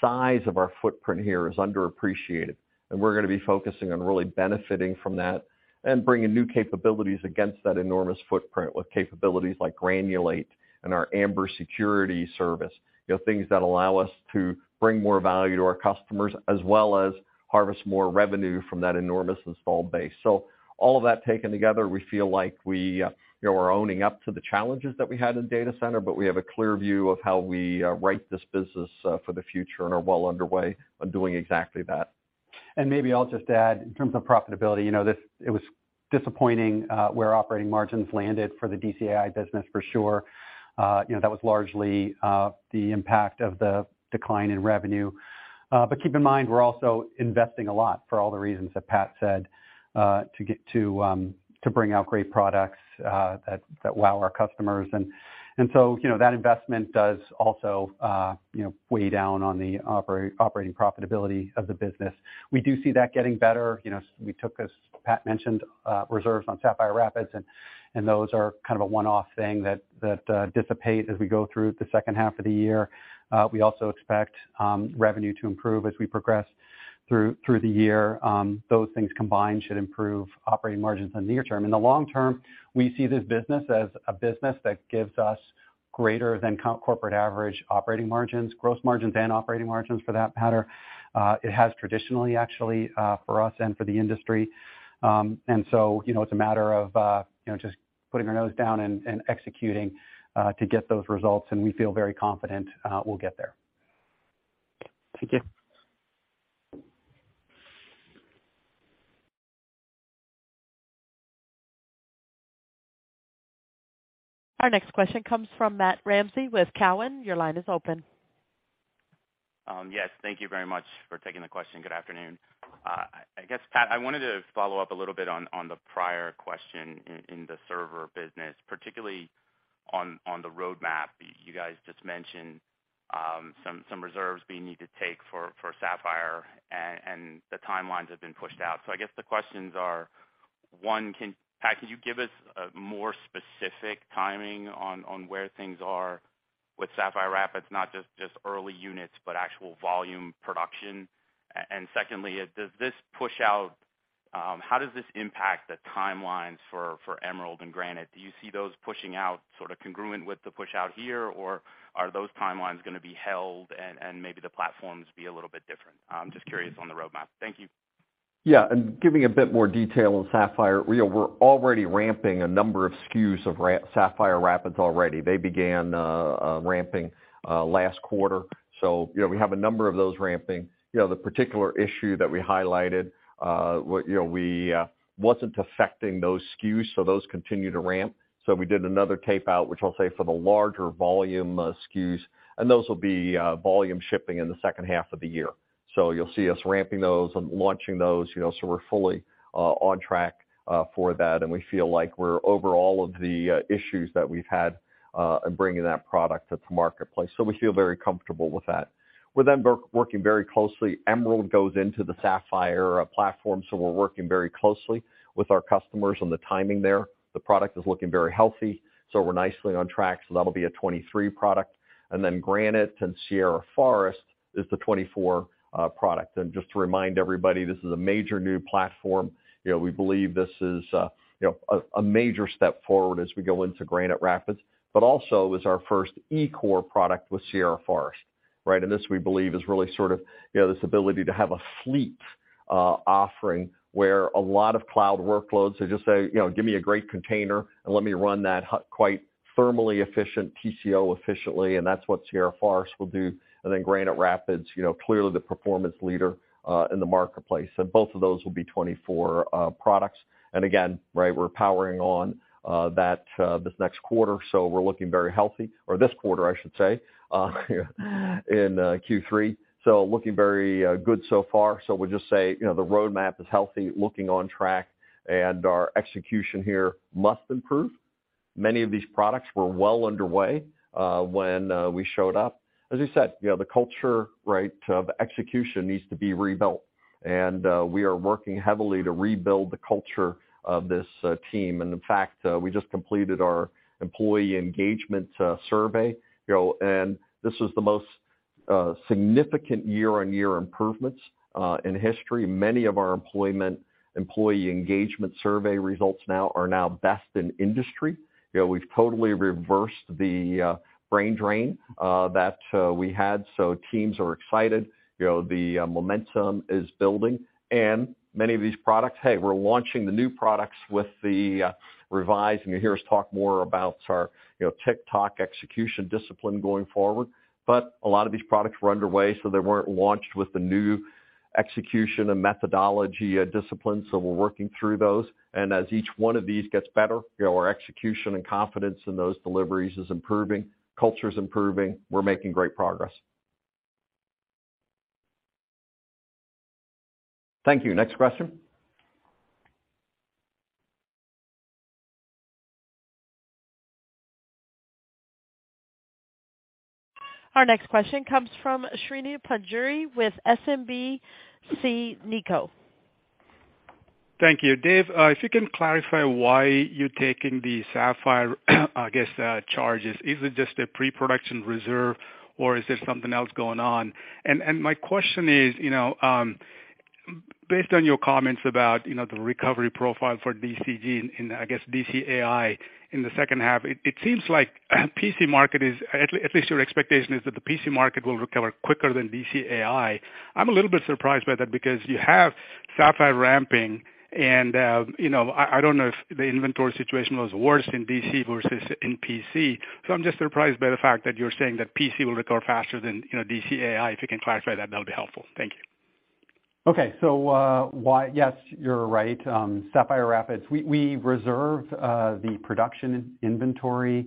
size of our footprint here is underappreciated, and we're gonna be focusing on really benefiting from that and bringing new capabilities against that enormous footprint with capabilities like Granulate and our Amber Security service. You know, things that allow us to bring more value to our customers as well as harvest more revenue from that enormous installed base. All of that taken together, we feel like we, you know, are owning up to the challenges that we had in data center, but we have a clear view of how we right this business for the future and are well underway on doing exactly that. Maybe I'll just add, in terms of profitability, you know, it was disappointing, where operating margins landed for the DCAI business for sure. You know, that was largely the impact of the decline in revenue. But keep in mind, we're also investing a lot for all the reasons that Pat said, to get to bring out great products that wow our customers. You know, that investment does also, you know, weigh down on the operating profitability of the business. We do see that getting better. You know, we took, as Pat mentioned, reserves on Sapphire Rapids, and those are kind of a one-off thing that dissipate as we go through the second half of the year. We also expect revenue to improve as we progress through the year. Those things combined should improve operating margins in the near term. In the long term, we see this business as a business that gives us greater than corporate average operating margins, gross margins and operating margins for that matter. It has traditionally actually for us and for the industry. You know, it's a matter of you know, just putting our nose down and executing to get those results, and we feel very confident we'll get there. Thank you. Our next question comes from Matt Ramsay with Cowen. Your line is open. Yes, thank you very much for taking the question. Good afternoon. I guess, Pat, I wanted to follow up a little bit on the prior question in the server business, particularly on the roadmap. You guys just mentioned some reserves being needed to take for Sapphire and the timelines have been pushed out. I guess the questions are, one, Pat, could you give us a more specific timing on where things are with Sapphire Rapids, not just early units, but actual volume production? And secondly, how does this impact the timelines for Emerald and Granite? Do you see those pushing out sort of congruent with the push out here, or are those timelines gonna be held and maybe the platforms be a little bit different? I'm just curious on the roadmap. Thank you. Yeah, giving a bit more detail on Sapphire. You know, we're already ramping a number of SKUs of Sapphire Rapids already. They began ramping last quarter. You know, we have a number of those ramping. You know, the particular issue that we highlighted wasn't affecting those SKUs, so those continue to ramp. We did another tape out, which I'll say for the larger volume SKUs, and those will be volume shipping in the second half of the year. You'll see us ramping those and launching those, you know, so we're fully on track for that, and we feel like we're over all of the issues that we've had in bringing that product to the marketplace. We feel very comfortable with that. We're then working very closely. Emerald goes into the Sapphire platform, so we're working very closely with our customers on the timing there. The product is looking very healthy, so we're nicely on track. That'll be a 2023 product. Then Granite and Sierra Forest is the 2024 product. Just to remind everybody, this is a major new platform. You know, we believe this is, you know, a major step forward as we go into Granite Rapids, but also is our first E-core product with Sierra Forest, right? This, we believe, is really sort of, you know, this ability to have a fleet offering where a lot of cloud workloads, they just say, you know, "Give me a great container and let me run that quite thermally efficient, TCO efficiently," and that's what Sierra Forest will do. Then Granite Rapids, you know, clearly the performance leader in the marketplace. Both of those will be 2024 products. Again, right, we're powering on that this next quarter, so we're looking very healthy. Or this quarter, I should say, in Q3. Looking very good so far. We'll just say, you know, the roadmap is healthy, looking on track, and our execution here must improve. Many of these products were well underway when we showed up. As you said, you know, the culture, right, of execution needs to be rebuilt. We are working heavily to rebuild the culture of this team. In fact, we just completed our employee engagement survey, you know, and this is the most significant year-on-year improvements in history. Many of our employee engagement survey results now are best in industry. You know, we've totally reversed the brain drain that we had, so teams are excited. You know, the momentum is building. Many of these products, hey, we're launching the new products with the revised, and you'll hear us talk more about our, you know, Tick-Tock execution discipline going forward. A lot of these products were underway, so they weren't launched with the new execution and methodology discipline, so we're working through those. As each one of these gets better, you know, our execution and confidence in those deliveries is improving. Culture's improving. We're making great progress. Thank you. Next question. Our next question comes from Srini Pajjuri with SMBC Nikko. Thank you. David, if you can clarify why you're taking the Sapphire charges. Is it just a pre-production reserve, or is there something else going on? My question is, you know, based on your comments about, you know, the recovery profile for DCAI and I guess, DCAI in the second half, it seems like PC market is, at least your expectation is that the PC market will recover quicker than DCAI. I'm a little bit surprised by that because you have Sapphire ramping and, you know, I don't know if the inventory situation was worse in DC versus in PC. I'm just surprised by the fact that you're saying that PC will recover faster than, you know, DCAI. If you can clarify that'll be helpful. Thank you. Yes, you're right. Sapphire Rapids, we reserve the production in inventory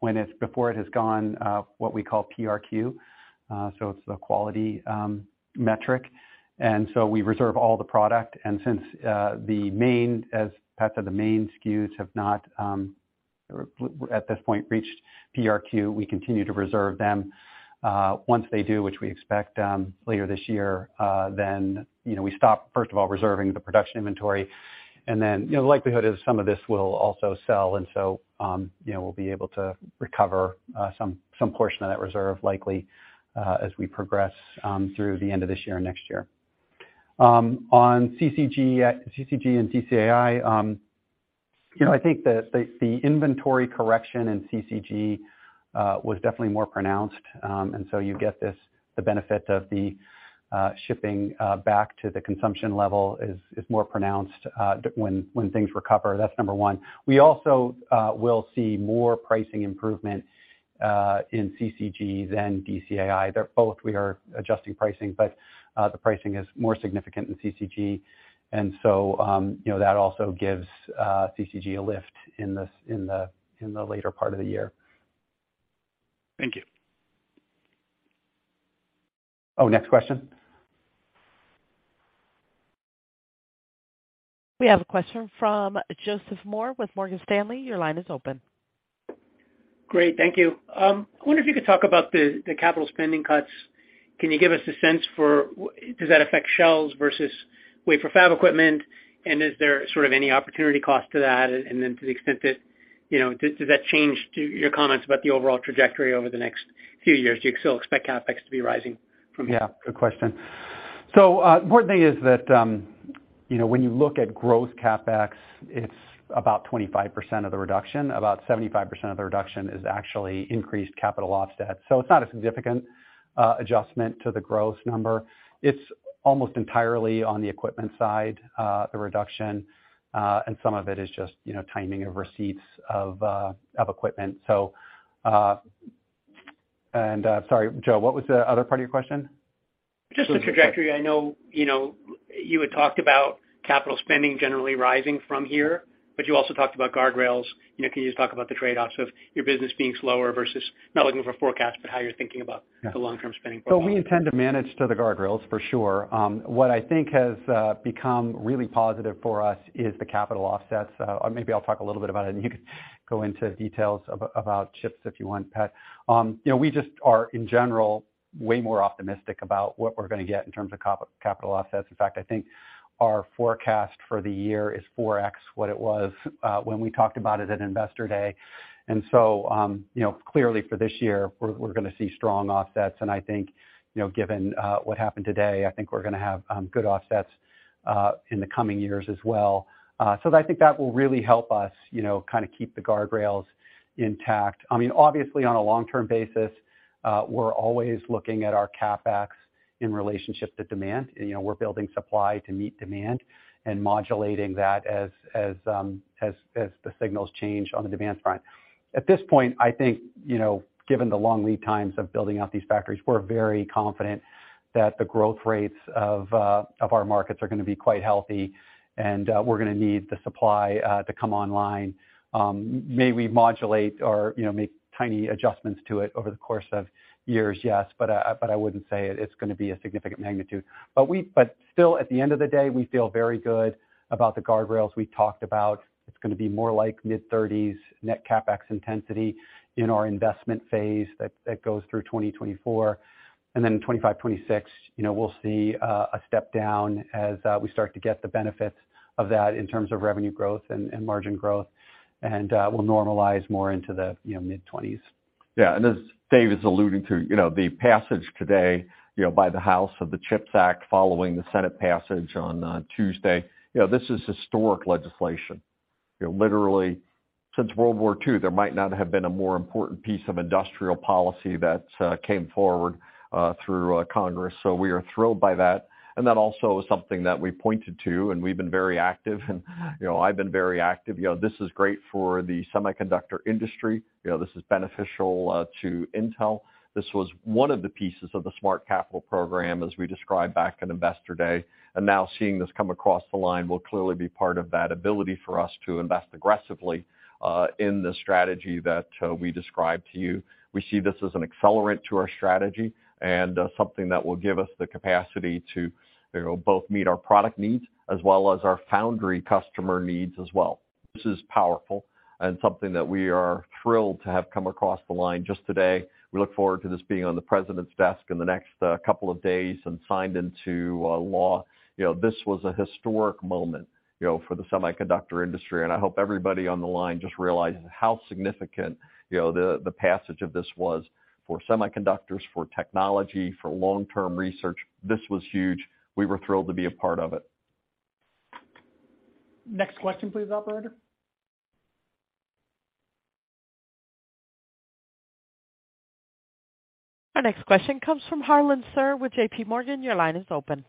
when it's before it has gone what we call PRQ. It's the quality metric. We reserve all the product. Since the main, as Pat said, the main SKUs have not at this point reached PRQ, we continue to reserve them. Once they do, which we expect later this year, you know, we stop, first of all, reserving the production inventory. Then you know, the likelihood is some of this will also sell. You know, we'll be able to recover some portion of that reserve likely as we progress through the end of this year and next year. On CCG and DCAI, you know, I think the inventory correction in CCG was definitely more pronounced. You get this, the benefit of the shipping back to the consumption level is more pronounced when things recover. That's number one. We also will see more pricing improvement in CCG than DCAI. They're both, we are adjusting pricing, but the pricing is more significant in CCG. You know, that also gives CCG a lift in the later part of the year. Thank you. Oh, next question. We have a question from Joseph Moore with Morgan Stanley. Your line is open. Great. Thank you. I wonder if you could talk about the capital spending cuts. Can you give us a sense for where does that affect shells versus wafer fab equipment? And is there sort of any opportunity cost to that? And then to the extent that, you know, does that change to your comments about the overall trajectory over the next few years? Do you still expect CapEx to be rising from here? Yeah, good question. Important thing is that, you know, when you look at growth CapEx, it's about 25% of the reduction. About 75% of the reduction is actually increased capital offsets. It's not a significant adjustment to the growth number. It's almost entirely on the equipment side, the reduction, and some of it is just, you know, timing of receipts of equipment. Sorry, Joe, what was the other part of your question? Just the trajectory. I know, you know, you had talked about capital spending generally rising from here, but you also talked about guardrails. You know, can you just talk about the trade-offs of your business being slower versus not looking for forecasts, but how you're thinking about the long-term spending profile? We intend to manage to the guardrails for sure. What I think has become really positive for us is the CapEx offsets. Maybe I'll talk a little bit about it, and you can go into details about chips if you want, Pat. You know, we just are, in general, way more optimistic about what we're gonna get in terms of CapEx offsets. In fact, I think our forecast for the year is 4x what it was when we talked about it at Investor Day. You know, clearly for this year, we're gonna see strong offsets. I think, you know, given what happened today, I think we're gonna have good offsets in the coming years as well. I think that will really help us, you know, kinda keep the guardrails intact. I mean, obviously, on a long-term basis, we're always looking at our CapEx in relationship to demand. You know, we're building supply to meet demand and modulating that as the signals change on the demand front. At this point, I think, you know, given the long lead times of building out these factories, we're very confident that the growth rates of our markets are gonna be quite healthy, and we're gonna need the supply to come online. May we modulate or, you know, make tiny adjustments to it over the course of years? Yes. I wouldn't say it's gonna be a significant magnitude. Still, at the end of the day, we feel very good about the guardrails we talked about. It's gonna be more like mid-30s net CapEx intensity in our investment phase that goes through 2024. Then in 2025, 2026, you know, we'll see a step down as we start to get the benefits of that in terms of revenue growth and margin growth. We'll normalize more into the, you know, mid-20s. Yeah. As David is alluding to, you know, the passage today, you know, by the House of the CHIPS Act following the Senate passage on Tuesday, you know, this is historic legislation. You know, literally since World War II, there might not have been a more important piece of industrial policy that came forward through Congress. We are thrilled by that. That also is something that we pointed to, and we've been very active, and, you know, I've been very active. You know, this is great for the semiconductor industry. You know, this is beneficial to Intel. This was one of the pieces of the Smart Capital program as we described back in Investor Day. Now seeing this come across the line will clearly be part of that ability for us to invest aggressively in the strategy that we described to you. We see this as an accelerant to our strategy and something that will give us the capacity to, you know, both meet our product needs as well as our foundry customer needs as well. This is powerful and something that we are thrilled to have come across the line just today. We look forward to this being on the president's desk in the next couple of days and signed into law. You know, this was a historic moment, you know, for the semiconductor industry, and I hope everybody on the line just realizes how significant, you know, the passage of this was for semiconductors, for technology, for long-term research. This was huge. We were thrilled to be a part of it. Next question, please, operator. Our next question comes from Harlan Sur with JPMorgan. Your line is open.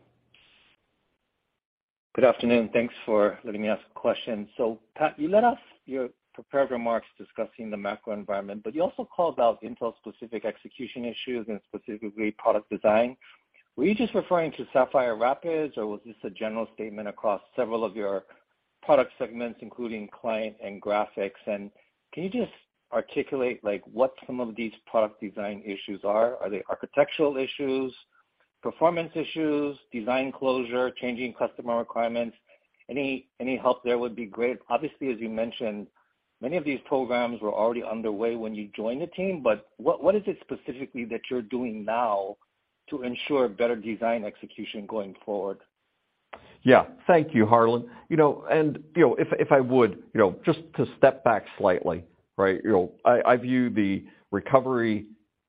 Good afternoon. Thanks for letting me ask a question. Pat, you led us your prepared remarks discussing the macro environment, but you also called out Intel-specific execution issues and specifically product design. Were you just referring to Sapphire Rapids or was this a general statement across several of your product segments, including client and graphics? And can you just articulate, like, what some of these product design issues are? Are they architectural issues, performance issues, design closure, changing customer requirements? Any help there would be great. Obviously, as you mentioned, many of these programs were already underway when you joined the team, but what is it specifically that you're doing now to ensure better design execution going forward? Yeah. Thank you, Harlan. You know, if I would just to step back slightly, right? You know, I view the recovery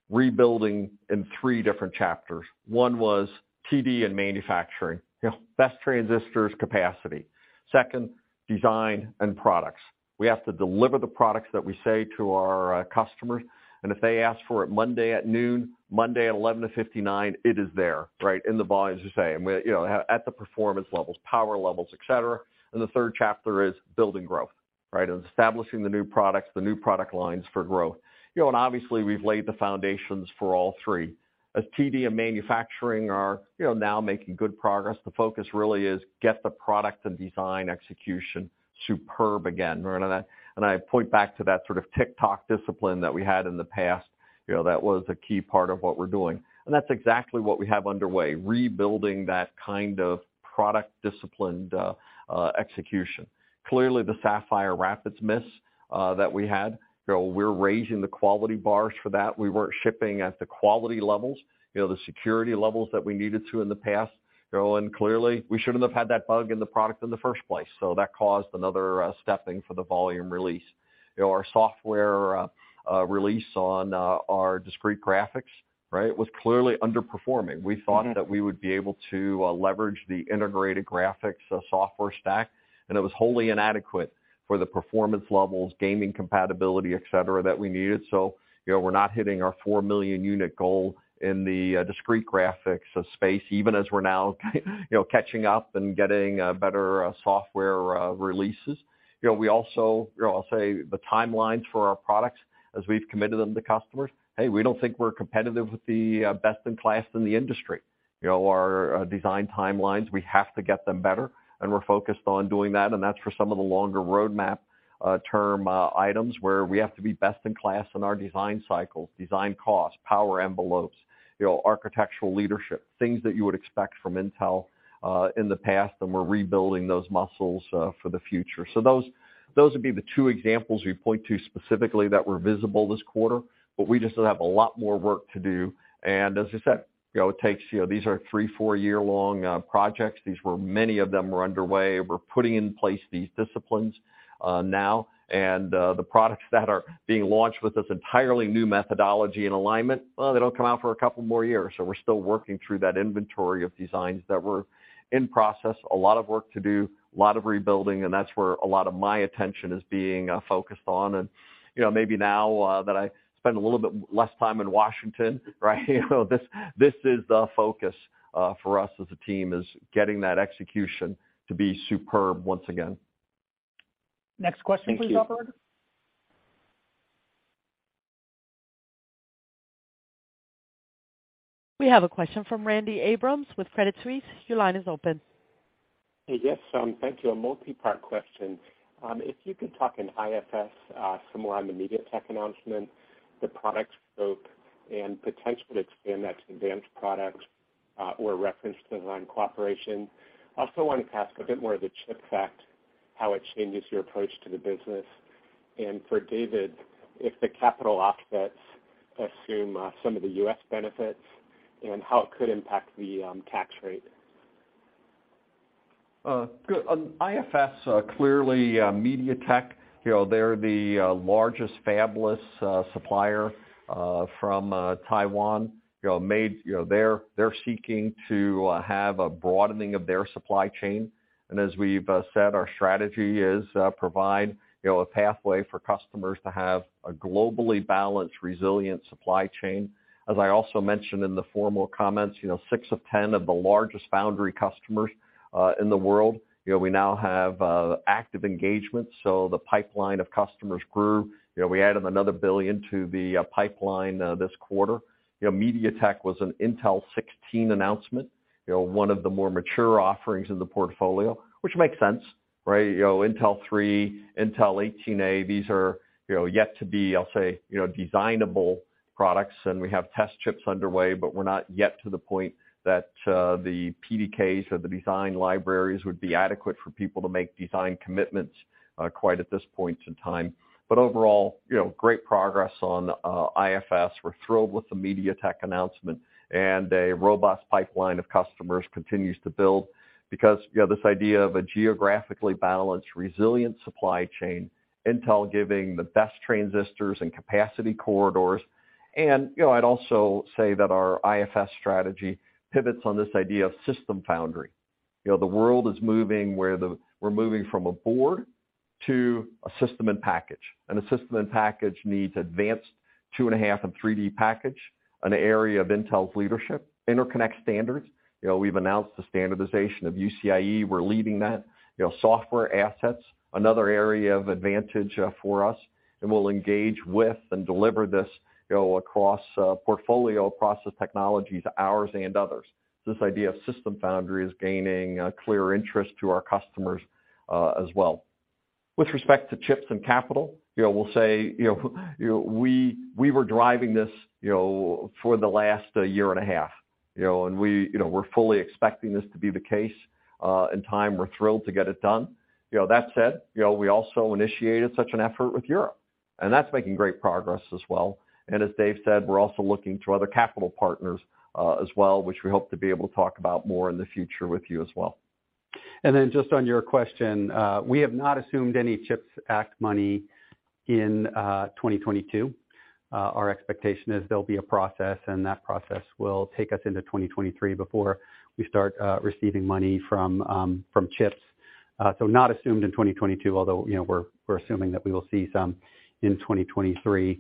rebuilding in three different chapters. One was TD and manufacturing. You know, build transistor capacity. Second, design and products. We have to deliver the products that we sell to our customers, and if they ask for it Monday at noon, Monday at 11:59AM, it is there, right, in the volumes we say, and you know, at the performance levels, power levels, et cetera. The third chapter is building growth, right? And establishing the new products, the new product lines for growth. You know, and obviously we've laid the foundations for all three. As TD and manufacturing are now making good progress, the focus really is get the product and design execution superb again. I point back to that sort of Tick-Tock discipline that we had in the past. You know, that was a key part of what we're doing. That's exactly what we have underway, rebuilding that kind of product disciplined execution. Clearly, the Sapphire Rapids miss that we had. You know, we're raising the quality bars for that. We weren't shipping at the quality levels, you know, the security levels that we needed to in the past. You know, clearly, we shouldn't have had that bug in the product in the first place, so that caused another stepping for the volume release. You know, our software release on our discrete graphics, right, was clearly underperforming. We thought that we would be able to leverage the integrated graphics software stack, and it was wholly inadequate for the performance levels, gaming compatibility, et cetera, that we needed. You know, we're not hitting our 4 million unit goal in the discrete graphics space, even as we're now, you know, catching up and getting better software releases. You know, we also. I'll say the timelines for our products as we've committed them to customers, hey, we don't think we're competitive with the best in class in the industry. You know, our design timelines, we have to get them better, and we're focused on doing that, and that's for some of the longer roadmap term items, where we have to be best in class in our design cycles, design costs, power envelopes, you know, architectural leadership, things that you would expect from Intel in the past, and we're rebuilding those muscles for the future. So those would be the two examples we point to specifically that were visible this quarter, but we just have a lot more work to do. As I said, you know, it takes, you know, these are three- or four-year-long projects. Many of them were underway. We're putting in place these disciplines now, and the products that are being launched with this entirely new methodology and alignment, well, they don't come out for a couple more years, so we're still working through that inventory of designs that were in process. A lot of work to do, a lot of rebuilding, and that's where a lot of my attention is being focused on. You know, maybe now that I spend a little bit less time in Washington, right? You know, this is the focus for us as a team, is getting that execution to be superb once again. Next question, please, operator. Thank you. We have a question from Randy Abrams with Credit Suisse. Your line is open. Yes, thank you. A multi-part question. If you could talk about IFS some more on the MediaTek announcement, the product scope, and potential to expand that to advanced products or reference design cooperation. I also wanted to ask a bit more of the CHIPS Act, how it changes your approach to the business. For David, if the capital offsets assume some of the U.S. benefits and how it could impact the tax rate. Good. On IFS, clearly, MediaTek, you know, they're the largest fabless supplier from Taiwan, you know. They're seeking to have a broadening of their supply chain. As we've said, our strategy is provide, you know, a pathway for customers to have a globally balanced, resilient supply chain. As I also mentioned in the formal comments, you know, six of 10 of the largest foundry customers in the world, you know, we now have active engagement, so the pipeline of customers grew. You know, we added another $1 billion to the pipeline this quarter. You know, MediaTek was an Intel 16 announcement, you know, one of the more mature offerings in the portfolio, which makes sense, right? You know, Intel 3, Intel 18A, these are, you know, yet to be, I'll say, you know, designable products, and we have test chips underway, but we're not yet to the point that, the PDKs or the design libraries would be adequate for people to make design commitments, quite at this point in time. But overall, you know, great progress on IFS. We're thrilled with the MediaTek announcement and a robust pipeline of customers continues to build because, you know, this idea of a geographically balanced, resilient supply chain, Intel giving the best transistors and capacity corridors. You know, I'd also say that our IFS strategy pivots on this idea of system foundry. You know, the world is moving, we're moving from a board to a system and package. A system and package needs advanced 2.5D and 3D packaging, an area of Intel's leadership. Interconnect standards. You know, we've announced the standardization of UCIe. We're leading that. You know, software assets, another area of advantage for us, and we'll engage with and deliver this, you know, across portfolio, across the technologies, ours and others. This idea of system foundry is gaining clear interest to our customers as well. With respect to CHIPS and capital, you know, we'll say, you know, we were driving this, you know, for the last year and a half, you know, and we, you know, we're fully expecting this to be the case in time. We're thrilled to get it done. You know, that said, you know, we also initiated such an effort with Europe, and that's making great progress as well. As Dave said, we're also looking to other capital partners, as well, which we hope to be able to talk about more in the future with you as well. Just on your question, we have not assumed any CHIPS Act money in 2022. Our expectation is there'll be a process, and that process will take us into 2023 before we start receiving money from CHIPS. So not assumed in 2022, although, you know, we're assuming that we will see some in 2023.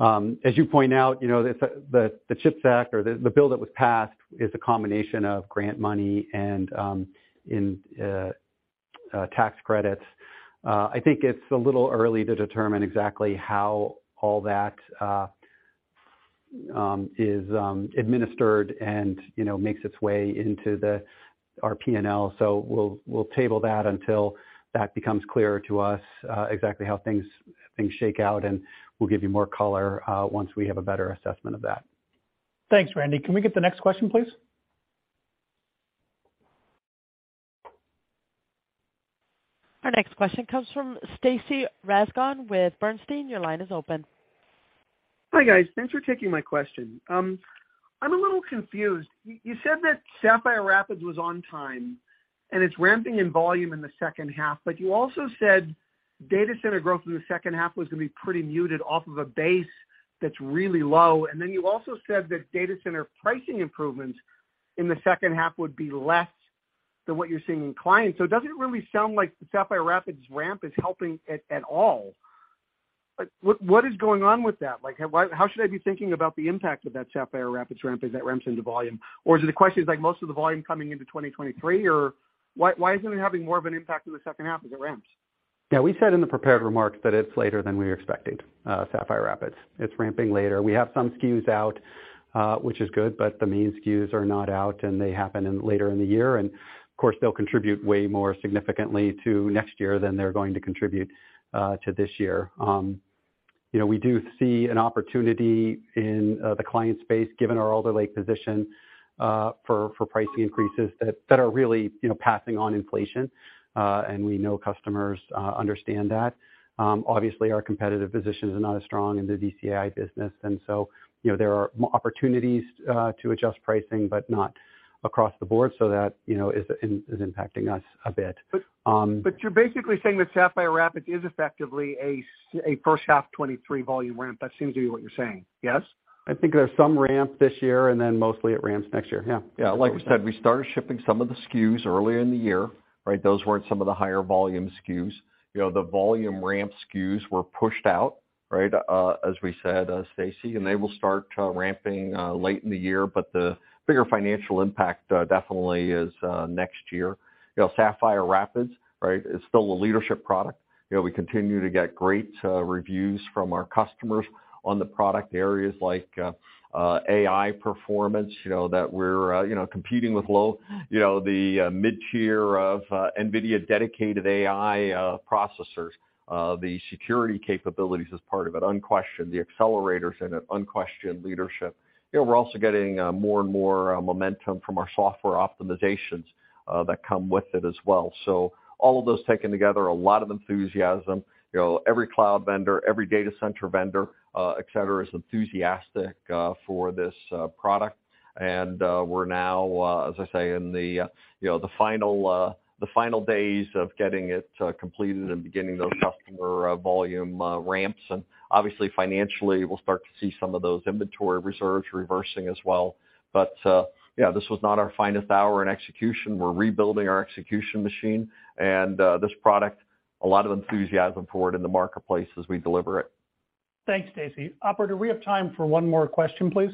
As you point out, you know, the CHIPS Act or the bill that was passed is a combination of grant money and tax credits. I think it's a little early to determine exactly how all that is administered and, you know, makes its way into our P&L. We'll table that until that becomes clearer to us, exactly how things shake out, and we'll give you more color once we have a better assessment of that. Thanks, Randy. Can we get the next question, please? Our next question comes from Stacy Rasgon with Bernstein. Your line is open. Hi, guys. Thanks for taking my question. I'm a little confused. You said that Sapphire Rapids was on time and it's ramping in volume in the second half, but you also said data center growth in the second half was gonna be pretty muted off of a base that's really low. Then you also said that data center pricing improvements in the second half would be less than what you're seeing in clients. It doesn't really sound like the Sapphire Rapids ramp is helping at all. What is going on with that? Like, why, how should I be thinking about the impact of that Sapphire Rapids ramp as that ramps into volume? Or is the question, like, most of the volume coming into 2023 or why isn't it having more of an impact in the second half as it ramps? Yeah, we said in the prepared remarks that it's later than we expected, Sapphire Rapids. It's ramping later. We have some SKUs out, which is good, but the main SKUs are not out, and they happen later in the year. Of course, they'll contribute way more significantly to next year than they're going to contribute to this year. You know, we do see an opportunity in the client space, given our Alder Lake position, for pricing increases that are really, you know, passing on inflation, and we know customers understand that. Obviously, our competitive position is not as strong in the DCAI business and so, you know, there are opportunities to adjust pricing, but not across the board. That, you know, is impacting us a bit. You're basically saying that Sapphire Rapids is effectively a first half 2023 volume ramp. That seems to be what you're saying. Yes? I think there's some ramp this year and then mostly it ramps next year. Yeah. Yeah. Like we said, we started shipping some of the SKUs earlier in the year, right? Those weren't some of the higher volume SKUs. You know, the volume ramp SKUs were pushed out, right, as we said, Stacy, and they will start ramping late in the year, but the bigger financial impact definitely is next year. You know, Sapphire Rapids, right, is still a leadership product. You know, we continue to get great reviews from our customers on the product areas like AI performance, you know, that we're competing with low, you know, the mid-tier of NVIDIA dedicated AI processors. The security capabilities is part of it, unquestioned. The accelerators in it, unquestioned leadership. You know, we're also getting more and more momentum from our software optimizations that come with it as well. All of those taken together, a lot of enthusiasm. You know, every cloud vendor, every data center vendor, et cetera, is enthusiastic for this product. We're now, as I say, in the, you know, the final days of getting it completed and beginning those customer volume ramps. Obviously, financially, we'll start to see some of those inventory reserves reversing as well. Yeah, this was not our finest hour in execution. We're rebuilding our execution machine and this product, a lot of enthusiasm for it in the marketplace as we deliver it. Thanks, Stacy. Operator, we have time for one more question, please.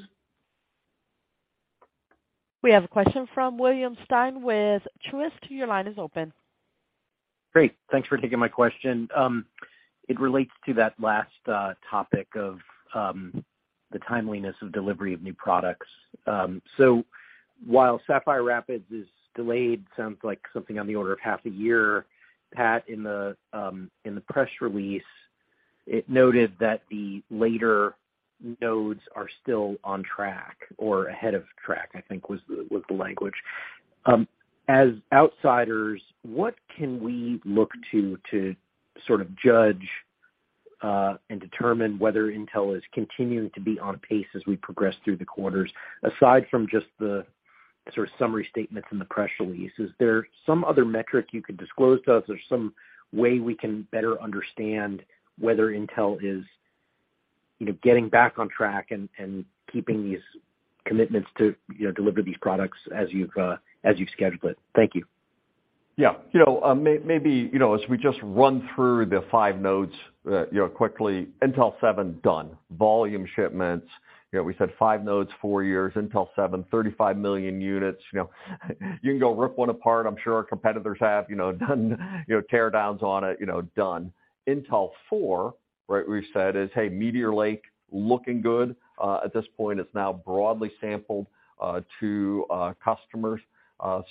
We have a question from William Stein with Truist. Your line is open. Great. Thanks for taking my question. It relates to that last topic of the timeliness of delivery of new products. So while Sapphire Rapids is delayed, sounds like something on the order of half a year, Pat, in the press release, it noted that the later nodes are still on track or ahead of track, I think was the language. As outsiders, what can we look to sort of judge and determine whether Intel is continuing to be on pace as we progress through the quarters, aside from just the sort of summary statements in the press release? Is there some other metric you could disclose to us or some way we can better understand whether Intel is, you know, getting back on track and keeping these commitments to, you know, deliver these products as you've scheduled it? Thank you. Yeah. You know, maybe, you know, as we just run through the five nodes, you know, quickly. Intel 7, done. Volume shipments. You know, we said five nodes, four years. Intel 7, 35 million units. You know, you can go rip one apart. I'm sure our competitors have, you know, done tear downs on it, you know, done. Intel 4, right, we've said is, hey, Meteor Lake looking good. At this point, it's now broadly sampled to customers.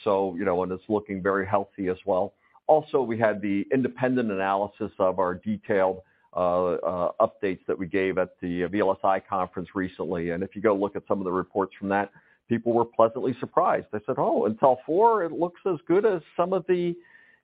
So, you know, and it's looking very healthy as well. Also, we had the independent analysis of our detailed updates that we gave at the VLSI conference recently. If you go look at some of the reports from that, people were pleasantly surprised. They said, "Oh, Intel 4, it looks as good as some of the,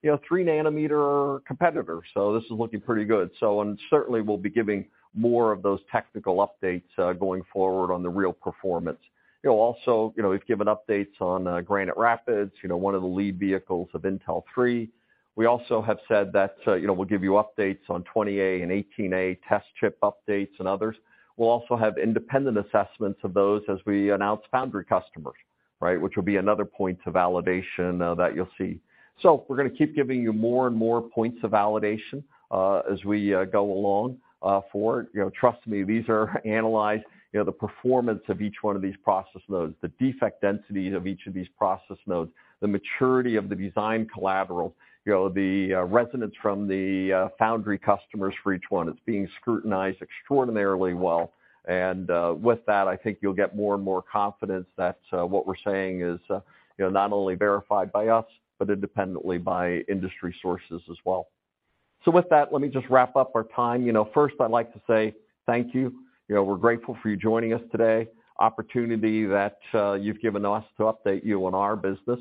you know, three nanometer competitors." This is looking pretty good. Certainly we'll be giving more of those technical updates going forward on the real performance. You know, also, you know, we've given updates on Granite Rapids, you know, one of the lead vehicles of Intel 3. We also have said that, you know, we'll give you updates on 20A and 18A test chip updates and others. We'll also have independent assessments of those as we announce foundry customers, right? Which will be another point to validation that you'll see. We're gonna keep giving you more and more points of validation as we go along forward. You know, trust me, these are analyzed. You know, the performance of each one of these process nodes, the defect densities of each of these process nodes, the maturity of the design collateral, you know, the resonance from the foundry customers for each one. It's being scrutinized extraordinarily well. With that, I think you'll get more and more confidence that what we're saying is, you know, not only verified by us, but independently by industry sources as well. With that, let me just wrap up our time. You know, first, I'd like to say thank you. You know, we're grateful for you joining us today. Opportunity that you've given us to update you on our business.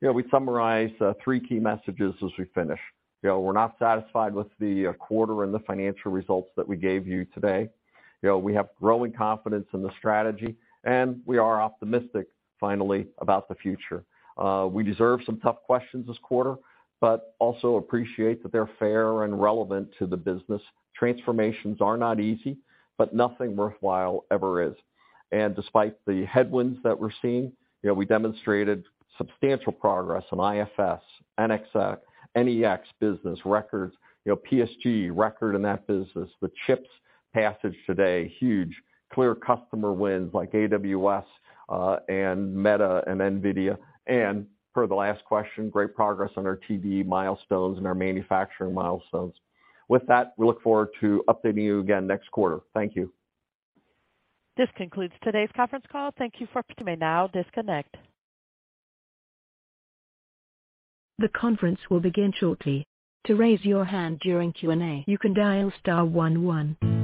You know, we summarize three key messages as we finish. You know, we're not satisfied with the quarter and the financial results that we gave you today. You know, we have growing confidence in the strategy, and we are optimistic finally about the future. We deserve some tough questions this quarter, but also appreciate that they're fair and relevant to the business. Transformations are not easy, but nothing worthwhile ever is. Despite the headwinds that we're seeing, you know, we demonstrated substantial progress in IFS, NEX business records, you know, PSG record in that business, the CHIPS passage today, huge. Clear customer wins like AWS, Meta, and NVIDIA. Per the last question, great progress on our TD milestones and our manufacturing milestones. With that, we look forward to updating you again next quarter. Thank you. This concludes today's conference call. You may now disconnect. The conference will begin shortly. To raise your hand during Q&A, you can dial star one one.